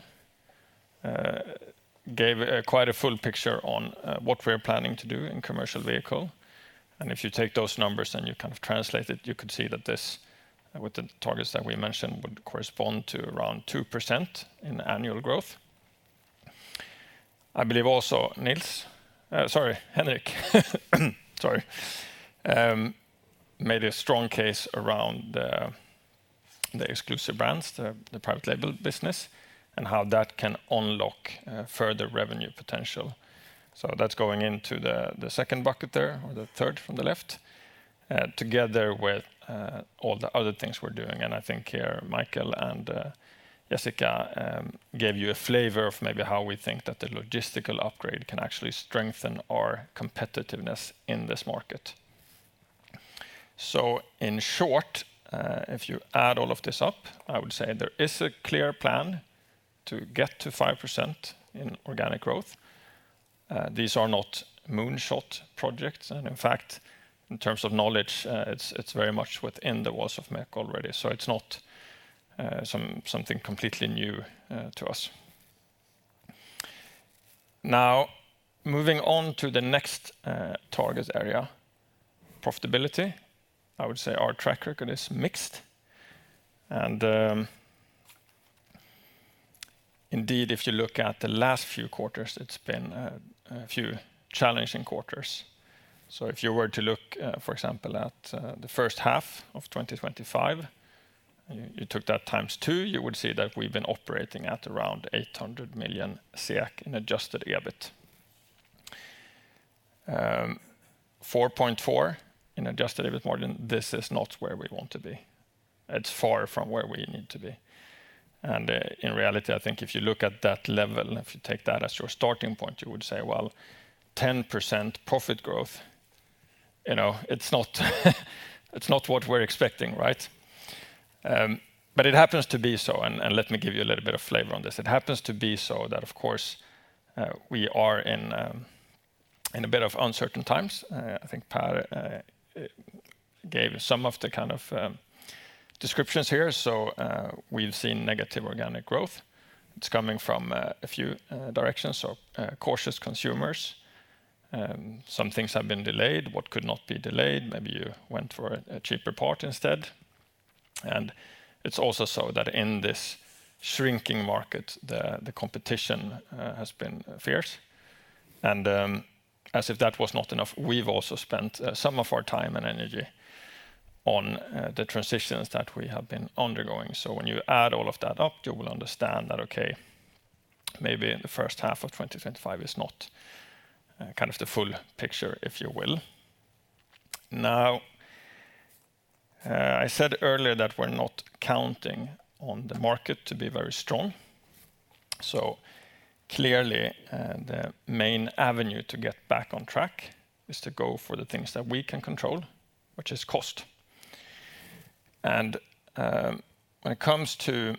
Gave quite a full picture on what we're planning to do in commercial vehicle. And if you take those numbers and you kind of translate it, you could see that this with the targets that we mentioned would correspond to around 2% in annual growth. I believe also Nils, sorry, Henrik, sorry, made a strong case around the exclusive brands, the private label business, and how that can unlock further revenue potential. So that's going into the second bucket there or the third from the left, together with all the other things we're doing. And I think here, Michael and Jessica gave you a flavor of maybe how we think that the logistical upgrade can actually strengthen our competitiveness in this market. So in short, if you add all of this up, I would say there is a clear plan to get to 5% in organic growth. These are not moonshot projects. And in fact, in terms of knowledge, it's very much within the walls of MEKO already. So it's not something completely new to us. Now, moving on to the next target area, profitability, I would say our track record is mixed. And indeed, if you look at the last few quarters, it's been a few challenging quarters. So if you were to look, for example, at the H1 of 2025, you took that times two, you would see that we've been operating at around 800 million SEK in adjusted EBIT. 4.4% adjusted EBIT margin, this is not where we want to be. It's far from where we need to be. In reality, I think if you look at that level, if you take that as your starting point, you would say, well, 10% profit growth it's not what we're expecting, right? It happens to be so. Let me give you a little bit of flavor on this. It happens to be so that, of course, we are in a bit of uncertain times. I think Pehr gave some of the kind of descriptions here. We've seen negative organic growth. It's coming from a few directions. Cautious consumers, some things have been delayed, what could not be delayed. Maybe you went for a cheaper part instead. It's also so that in this shrinking market, the competition has been fierce. As if that was not enough, we've also spent some of our time and energy on the transitions that we have been undergoing. So when you add all of that up, you will understand that, okay, maybe the H1 of 2025 is not kind of the full picture, if you will. Now, I said earlier that we're not counting on the market to be very strong. So clearly, the main avenue to get back on track is to go for the things that we can control, which is cost. And when it comes to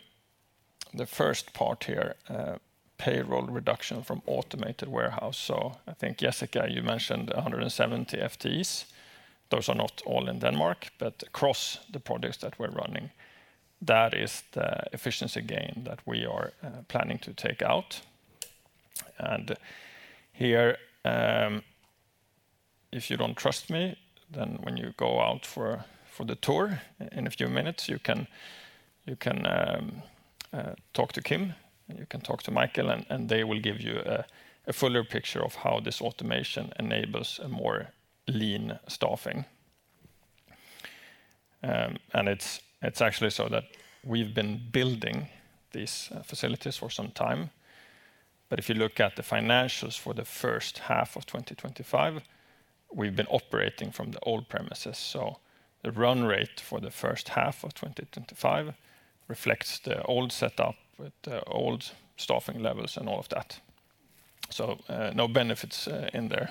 the first part here, payroll reduction from automated warehouse. So I think Jessica, you mentioned 170 FTEs. Those are not all in Denmark, but across the projects that we're running, that is the efficiency gain that we are planning to take out. And here, if you don't trust me, then when you go out for the tour in a few minutes, you can talk to Kim, you can talk to Michael, and they will give you a fuller picture of how this automation enables a more lean staffing. And it's actually so that we've been building these facilities for some time. But if you look at the financials for the H1 of 2025, we've been operating from the old premises. So the run rate for the H1 of 2025 reflects the old setup with the old staffing levels and all of that. So no benefits in there.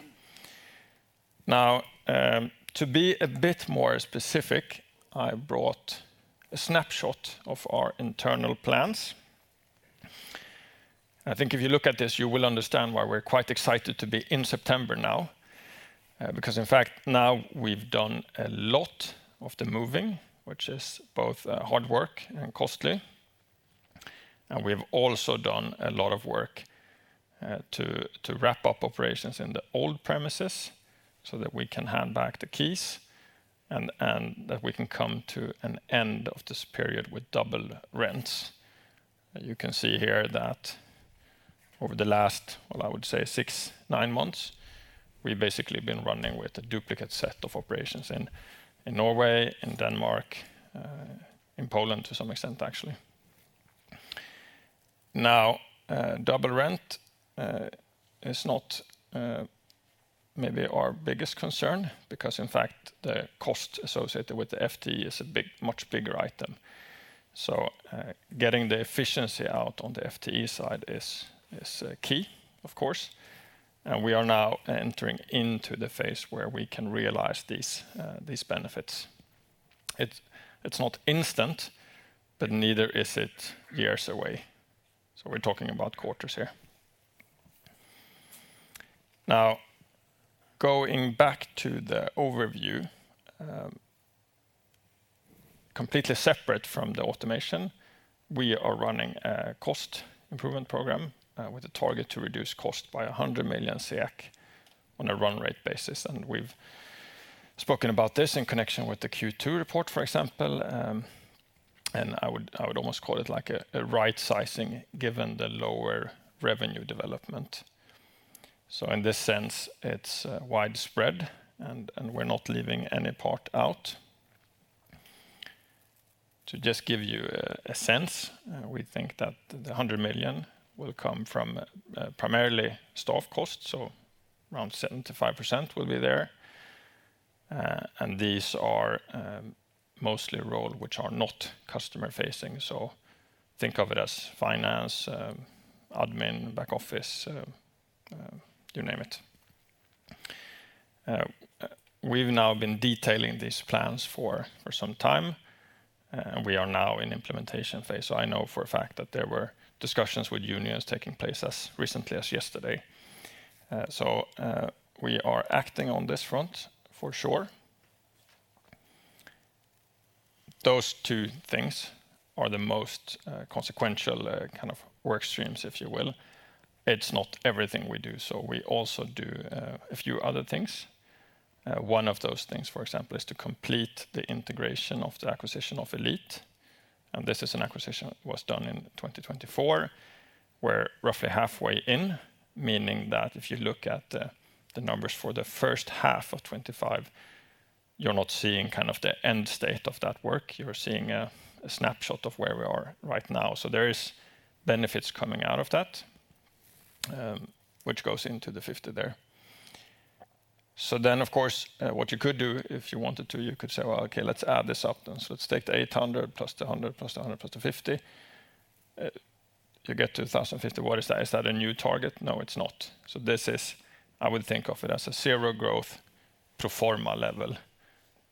Now, to be a bit more specific, I brought a snapshot of our internal plans. I think if you look at this, you will understand why we're quite excited to be in September now, because in fact, now we've done a lot of the moving, which is both hard work and costly, and we've also done a lot of work to wrap up operations in the old premises so that we can hand back the keys and that we can come to an end of this period with double rents. You can see here that over the last, well, I would say six, nine months, we've basically been running with a duplicate set of operations in Norway, in Denmark, in Poland to some extent, actually. Now, double rent is not maybe our biggest concern because in fact, the cost associated with the FTE is a much bigger item, so getting the efficiency out on the FTE side is key, of course. And we are now entering into the phase where we can realize these benefits. It's not instant, but neither is it years away. So we're talking about quarters here. Now, going back to the overview, completely separate from the automation, we are running a cost improvement program with a target to reduce cost by 100 million SEK on a run rate basis. And we've spoken about this in connection with the Q2 report, for example. And I would almost call it like a right sizing given the lower revenue development. So in this sense, it's widespread and we're not leaving any part out. To just give you a sense, we think that the 100 million will come from primarily staff costs, so around 75% will be there. And these are mostly roles which are not customer facing. So think of it as finance, admin, back office, you name it. We've now been detailing these plans for some time. We are now in implementation phase, so I know for a fact that there were discussions with unions taking place as recently as yesterday. So we are acting on this front for sure. Those two things are the most consequential kind of work streams, if you will. It's not everything we do. So we also do a few other things. One of those things, for example, is to complete the integration of the acquisition of Elit, and this is an acquisition that was done in 2024. We're roughly halfway in, meaning that if you look at the numbers for the H1 of 2025, you're not seeing kind of the end state of that work. You're seeing a snapshot of where we are right now, so there are benefits coming out of that, which goes into the 50 there. So then, of course, what you could do if you wanted to, you could say, well, okay, let's add this up. So let's take the 800 plus the 100 plus the 100 plus the 50. You get to 1050. What is that? Is that a new target? No, it's not. So this is, I would think of it as a zero growth pro forma level.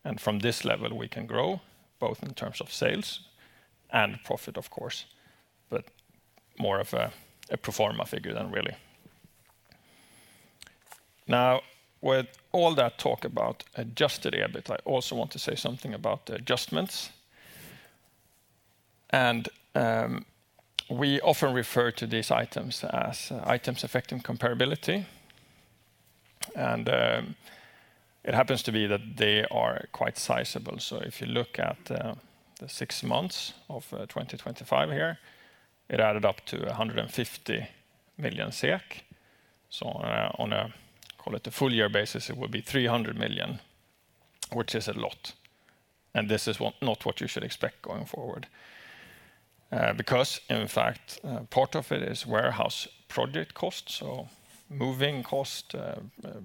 And from this level, we can grow both in terms of sales and profit, of course, but more of a pro forma figure than really. Now, with all that talk about adjusted EBIT, I also want to say something about the adjustments. And we often refer to these items as items affecting comparability. And it happens to be that they are quite sizable. So if you look at the six months of 2025 here, it added up to 150 million SEK. So on a, call it a full year basis, it will be 300 million, which is a lot. And this is not what you should expect going forward. Because in fact, part of it is warehouse project costs, so moving cost,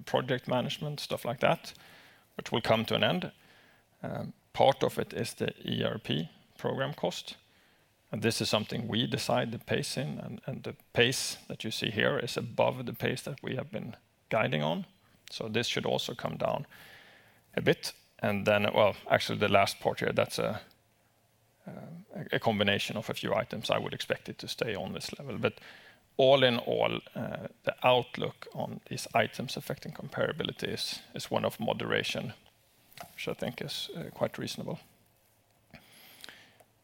project management, stuff like that, which will come to an end. Part of it is the ERP program cost. And this is something we decide the pace in. And the pace that you see here is above the pace that we have been guiding on. So this should also come down a bit. And then, well, actually the last part here, that's a combination of a few items. I would expect it to stay on this level. But all in all, the outlook on these items affecting comparability is one of moderation, which I think is quite reasonable.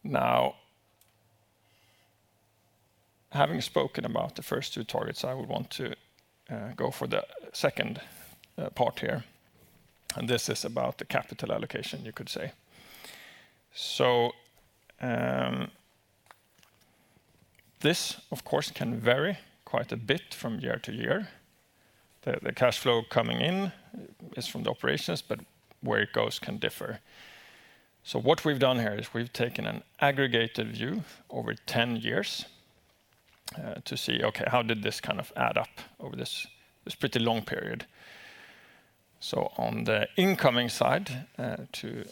Now, having spoken about the first two targets, I would want to go for the second part here. And this is about the capital allocation, you could say. So this, of course, can vary quite a bit from year to year. The cash flow coming in is from the operations, but where it goes can differ. So what we've done here is we've taken an aggregated view over 10 years to see, okay, how did this kind of add up over this pretty long period. So on the incoming side, to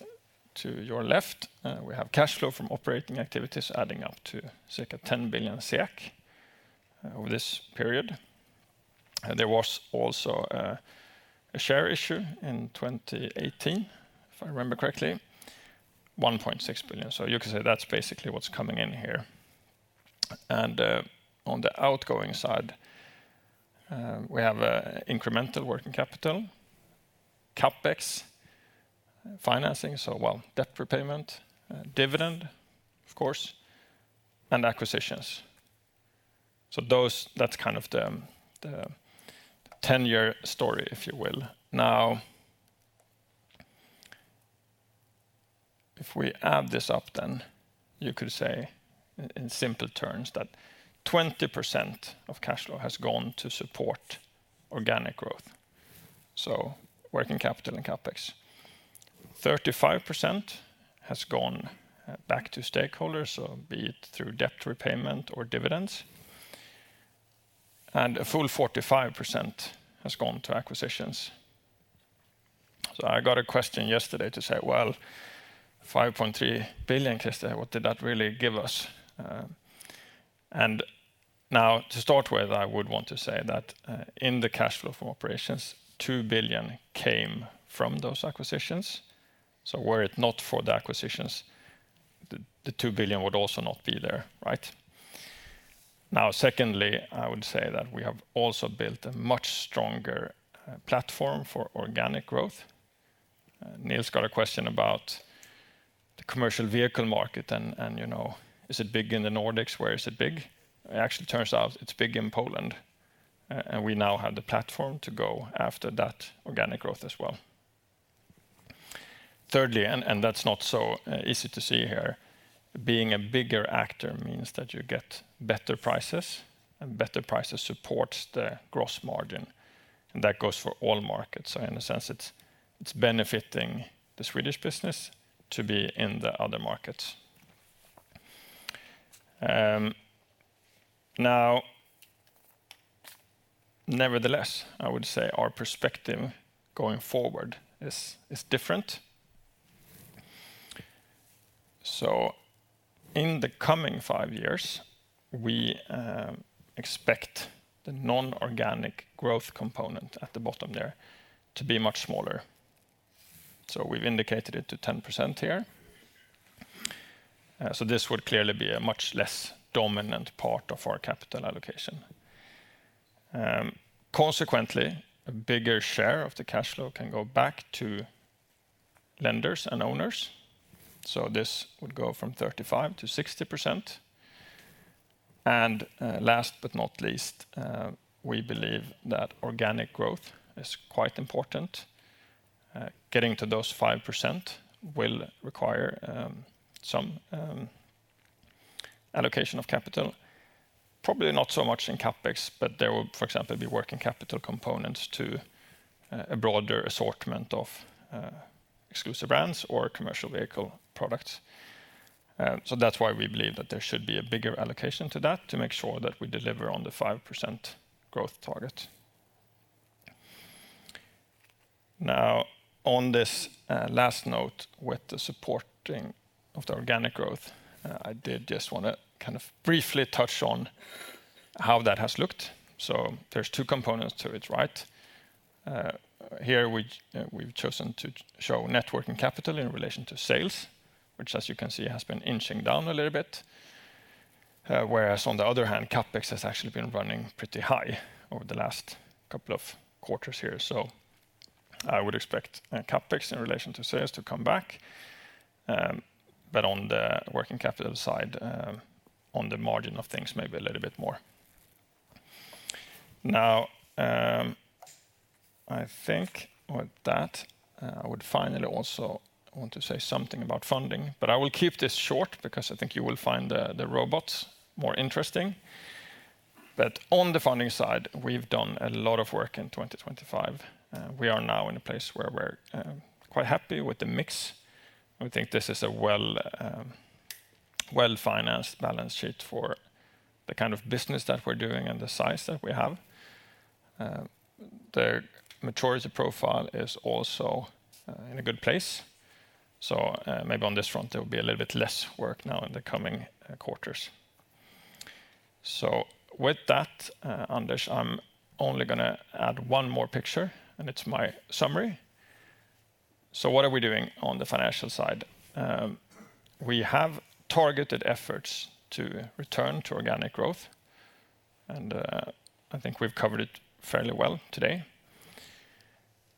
your left, we have cash flow from operating activities adding up to circa 10 billion SEK over this period. There was also a share issue in 2018, if I remember correctly, 1.6 billion SEK. So you could say that's basically what's coming in here. On the outgoing side, we have incremental working capital, CapEx, financing. So well, debt repayment, dividend, of course, and acquisitions. So that's kind of the 10-year story, if you will. Now, if we add this up, then you could say in simple terms that 20% of cash flow has gone to support organic growth. So working capital and CapEx. 35% has gone back to stakeholders, so be it through debt repayment or dividends. And a full 45% has gone to acquisitions. So I got a question yesterday to say, well, 5.3 billion, Christer, what did that really give us? And now, to start with, I would want to say that in the cash flow from operations, 2 billion came from those acquisitions. So were it not for the acquisitions, the 2 billion would also not be there, right? Now, secondly, I would say that we have also built a much stronger platform for organic growth. Nils got a question about the commercial vehicle market and is it big in the Nordics? Where is it big? It actually turns out it's big in Poland. And we now have the platform to go after that organic growth as well. Thirdly, and that's not so easy to see here, being a bigger actor means that you get better prices and better prices supports the gross margin. And that goes for all markets. So in a sense, it's benefiting the Swedish business to be in the other markets. Now, nevertheless, I would say our perspective going forward is different. So in the coming five years, we expect the non-organic growth component at the bottom there to be much smaller. So we've indicated it to 10% here. So this would clearly be a much less dominant part of our capital allocation. Consequently, a bigger share of the cash flow can go back to lenders and owners. So this would go from 35%-60%. And last but not least, we believe that organic growth is quite important. Getting to those 5% will require some allocation of capital. Probably not so much in CapEx, but there will, for example, be working capital components to a broader assortment of exclusive brands or commercial vehicle products. So that's why we believe that there should be a bigger allocation to that to make sure that we deliver on the 5% growth target. Now, on this last note with the supporting of the organic growth, I did just want to kind of briefly touch on how that has looked. So there's two components to it, right? Here we've chosen to show net working capital in relation to sales, which, as you can see, has been inching down a little bit. Whereas on the other hand, CapEx has actually been running pretty high over the last couple of quarters here. So I would expect CapEx in relation to sales to come back. But on the working capital side, on the margin of things, maybe a little bit more. Now, I think with that, I would finally also want to say something about funding, but I will keep this short because I think you will find the robots more interesting. But on the funding side, we've done a lot of work in 2025. We are now in a place where we're quite happy with the mix. We think this is a well-financed balance sheet for the kind of business that we're doing and the size that we have. The maturity profile is also in a good place. So maybe on this front, there will be a little bit less work now in the coming quarters. So with that, Anders, I'm only going to add one more picture, and it's my summary. So what are we doing on the financial side? We have targeted efforts to return to organic growth. And I think we've covered it fairly well today.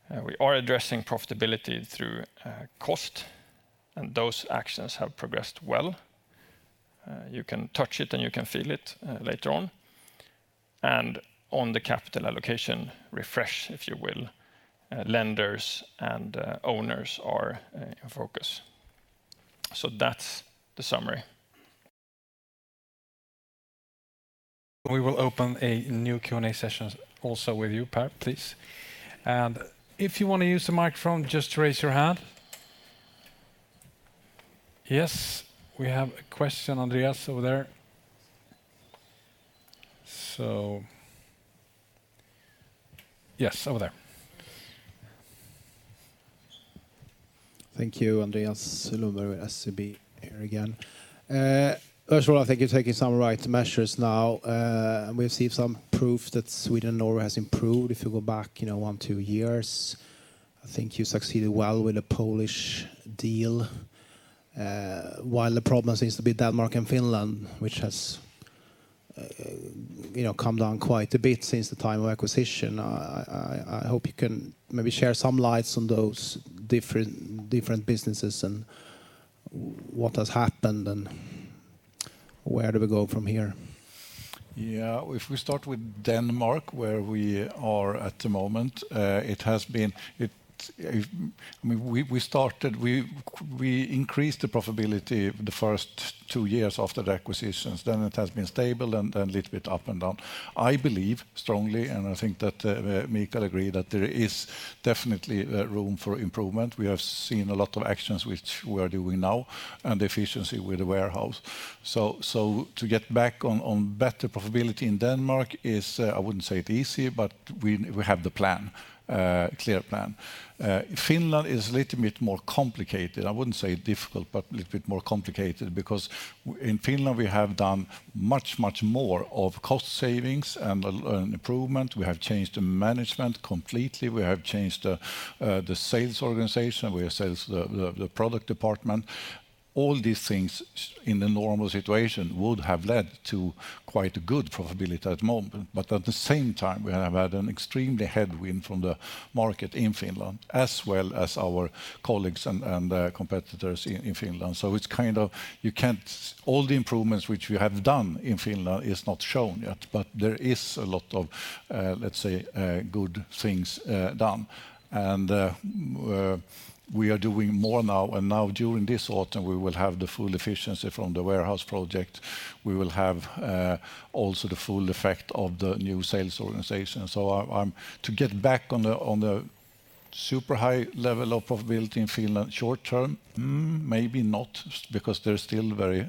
We are addressing profitability through cost, and those actions have progressed well. You can touch it and you can feel it later on. And on the capital allocation refresh, if you will, lenders and owners are in focus. So that's the summary. We will open a new Q&A session also with you, Pehr please. And if you want to use the microphone, just raise your hand. Yes, we have a question, Andreas, over there. So, yes, over there. Thank you, Andreas Lundberg with SEB here again. First of all, I think you're taking some right measures now. We've seen some proof that Sweden and Norway has improved. If you go back one, two years, I think you succeeded well with the Polish deal. While the problem seems to be Denmark and Finland, which has come down quite a bit since the time of acquisition, I hope you can maybe shed some light on those different businesses and what has happened and where do we go from here. Yeah, if we start with Denmark, where we are at the moment, it has been, we started, we increased the profitability the first two years after the acquisitions. Then it has been stable and then a little bit up and down. I believe strongly, and I think that Michael agreed that there is definitely room for improvement. We have seen a lot of actions which we are doing now and efficiency with the warehouse, so to get back on better profitability in Denmark is. I wouldn't say it's easy, but we have the plan, a clear plan. Finland is a little bit more complicated. I wouldn't say difficult, but a little bit more complicated because in Finland we have done much, much more of cost savings and an improvement. We have changed the management completely. We have changed the sales organization. We have changed the product department. All these things in the normal situation would have led to quite good profitability at the moment, but at the same time, we have had an extremely headwind from the market in Finland, as well as our colleagues and competitors in Finland. So it's kind of all the improvements which we have done in Finland are not shown yet, but there is a lot of, let's say, good things done. And we are doing more now. And now during this autumn, we will have the full efficiency from the warehouse project. We will have also the full effect of the new sales organization. So to get back on the super high level of profitability in Finland short term, maybe not, because there's still very,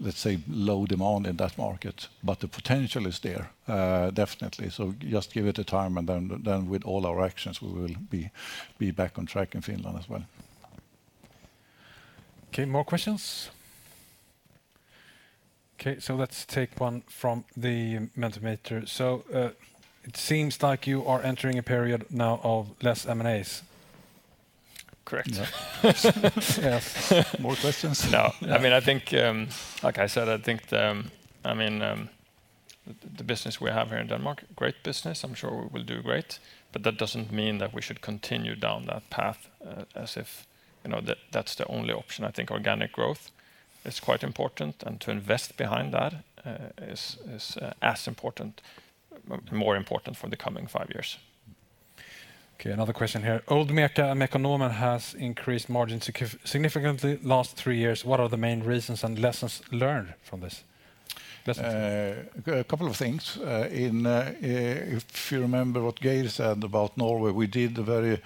let's say, low demand in that market. But the potential is there, definitely. So just give it a time. And then with all our actions, we will be back on track in Finland as well. Okay, more questions? Okay, so let's take one from the Mentimeter. So it seems like you are entering a period now of less M&A. Correct. Yes. More questions? No. The business we have here in Denmark, great business. I'm sure we will do great. But that doesn't mean that we should continue down that path as if that's the only option. I think organic growth is quite important. And to invest behind that is as important, more important for the coming five years. Okay, another question here. Old MECA and Mekonomen has increased margin significantly last three years. What are the main reasons and lessons learned from this? A couple of things. If you remember what Geir said about Norway, we did a very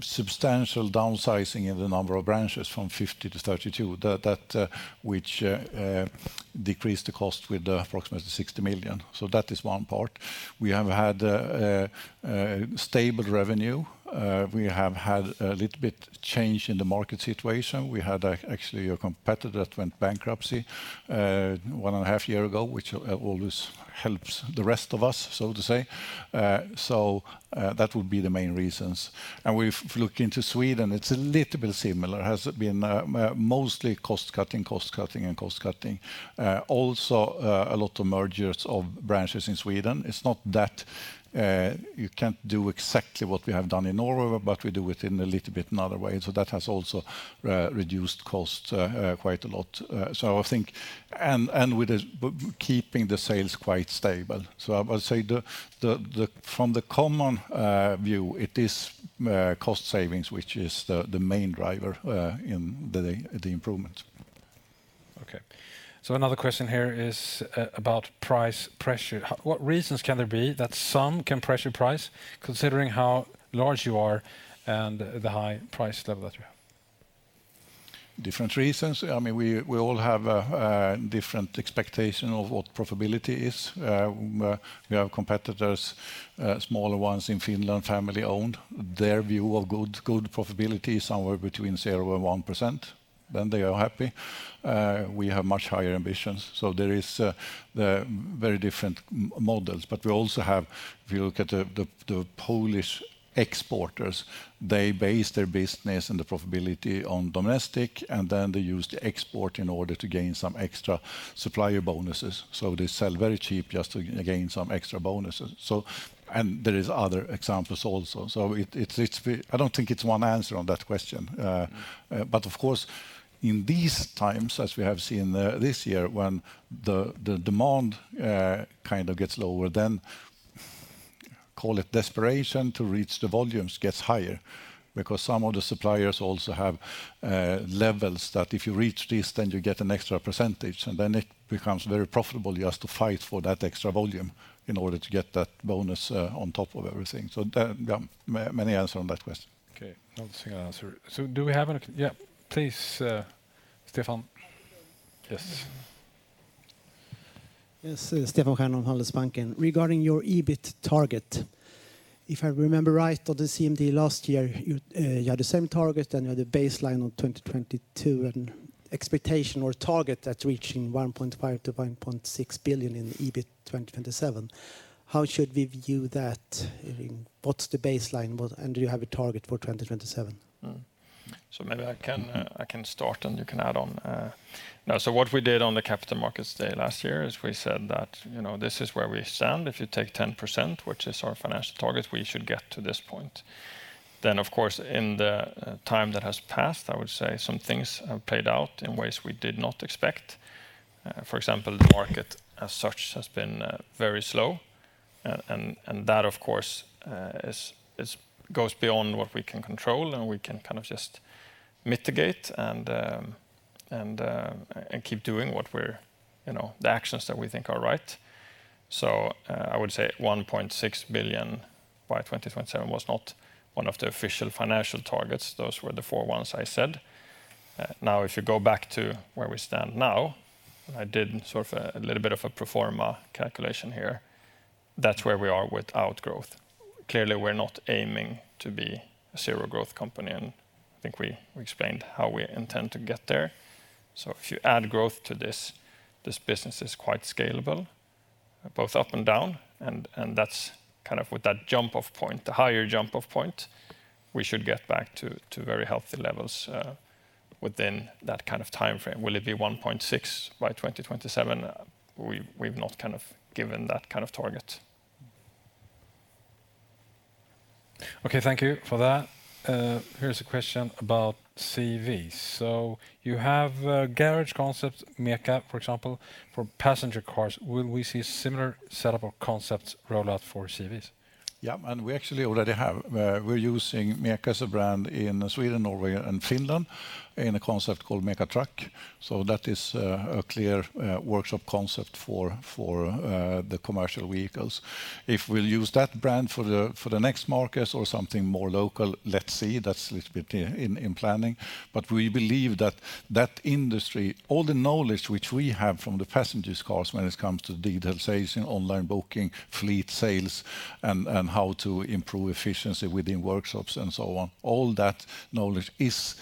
substantial downsizing in the number of branches from 50 to 32, which decreased the cost with approximately 60 million SEK. So that is one part. We have had stable revenue. We have had a little bit of change in the market situation. We had actually a competitor that went bankrupt one and a half years ago, which always helps the rest of us, so to say, so that would be the main reasons, and we've looked into Sweden. It's a little bit similar. It has been mostly cost cutting, cost cutting and cost cutting. Also a lot of mergers of branches in Sweden. It's not that you can't do exactly what we have done in Norway, but we do it in a little bit another way, so that has also reduced cost quite a lot. So I think and with keeping the sales quite stable, so I would say from the common view, it is cost savings, which is the main driver in the improvement. Okay, so another question here is about price pressure. What reasons can there be that some can pressure price, considering how large you are and the high price level that you have? Different reasons. We all have a different expectation of what profitability is. We have competitors, smaller ones in Finland, family-owned. Their view of good profitability is somewhere between 0% and 1%. Then they are happy. We have much higher ambitions. So there are very different models. But we also have, if you look at the Polish exporters, they base their business and the profitability on domestic, and then they use the export in order to gain some extra supplier bonuses. So they sell very cheap just to gain some extra bonuses. So, and there are other examples also. So I don't think it's one answer on that question. But of course, in these times, as we have seen this year, when the demand kind of gets lower, then call it desperation to reach the volumes gets higher because some of the suppliers also have levels that if you reach this, then you get an extra percentage. And then it becomes very profitable just to fight for that extra volume in order to get that bonus on top of everything. So many answers on that question. Okay, not a single answer. So do we have an... Yeah, please, Stefan. Yes. Yes, Stefan Stjernholm, Handelsbanken. Regarding your EBIT target, if I remember right, on the CMD last year, you had the same target and you had a baseline on 2022 and expectation or target that's reaching 1.5-1.6 billion in EBIT 2027. How should we view that? What's the baseline? And do you have a target for 2027? Maybe I can start and you can add on. What we did on the capital markets day last year is we said that this is where we stand. If you take 10%, which is our financial target, we should get to this point. Then, of course, in the time that has passed, I would say some things have played out in ways we did not expect. For example, the market as such has been very slow. And that, of course, goes beyond what we can control and we can kind of just mitigate and keep doing what we're the actions that we think are right. I would say 1.6 billion by 2027 was not one of the official financial targets. Those were the four ones I said. Now, if you go back to where we stand now, I did sort of a little bit of a pro forma calculation here. That's where we are without growth. Clearly, we're not aiming to be a zero growth company. I think we explained how we intend to get there. If you add growth to this, this business is quite scalable, both up and down. That's kind of with that jump-off point, the higher jump-off point, we should get back to very healthy levels within that kind of time frame. Will it be 1.6 by 2027? We've not kind of given that kind of target. Okay, thank you for that. Here's a question about CVs. You have a garage concept, MECA, for example, for passenger cars. Will we see a similar setup of concepts roll out for CVs? Yeah, and we actually already have. We're using MECA's brand in Sweden, Norway, and Finland in a concept called MECA Truck. So that is a clear workshop concept for the commercial vehicles. If we'll use that brand for the next markets or something more local, let's see. That's a little bit in planning. But we believe that that industry, all the knowledge which we have from the passenger cars when it comes to digitalization, online booking, fleet sales, and how to improve efficiency within workshops and so on, all that knowledge is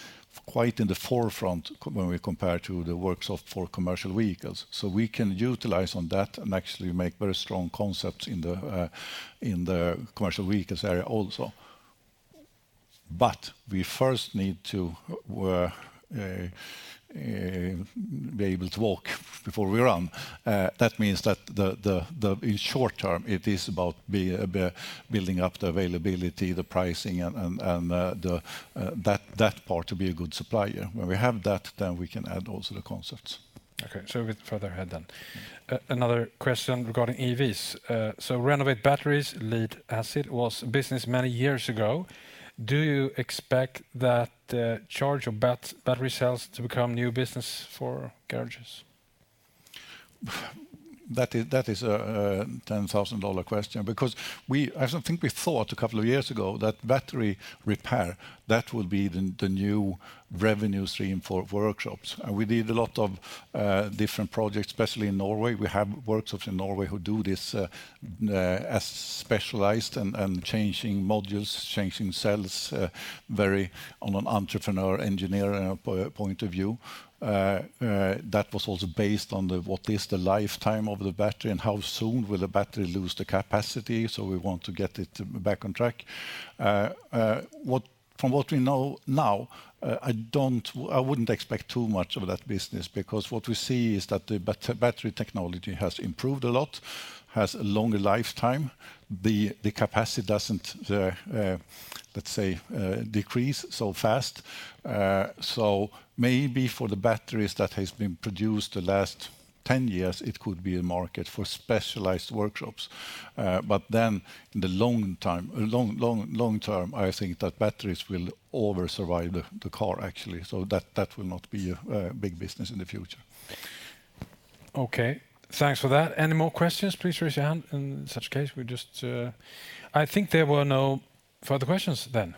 quite in the forefront when we compare to the workshop for commercial vehicles. So we can utilize on that and actually make very strong concepts in the commercial vehicles area also. But we first need to be able to walk before we run. That means that in the short term, it is about building up the availability, the pricing, and that part to be a good supplier. When we have that, then we can add also the concepts. Okay, so a bit further ahead then. Another question regarding EVs. So renovate batteries, lead-acid was business many years ago. Do you expect that change of battery cells to become new business for garages? That is a $10,000 question because I don't think we thought a couple of years ago that battery repair, that would be the new revenue stream for workshops. And we did a lot of different projects, especially in Norway. We have workshops in Norway who do this as specialized and changing modules, changing cells from an entrepreneurial engineer's point of view. That was also based on what is the lifetime of the battery and how soon will the battery lose the capacity. So we want to get it back on track. From what we know now, I wouldn't expect too much of that business because what we see is that the battery technology has improved a lot, has a longer lifetime. The capacity doesn't, let's say, decrease so fast. So maybe for the batteries that have been produced the last 10 years, it could be a market for specialized workshops. But then in the long term, I think that batteries will oversurvive the car, actually. So that will not be a big business in the future. Okay, thanks for that. Any more questions? Please raise your hand. In such case, we just... I think there were no further questions then.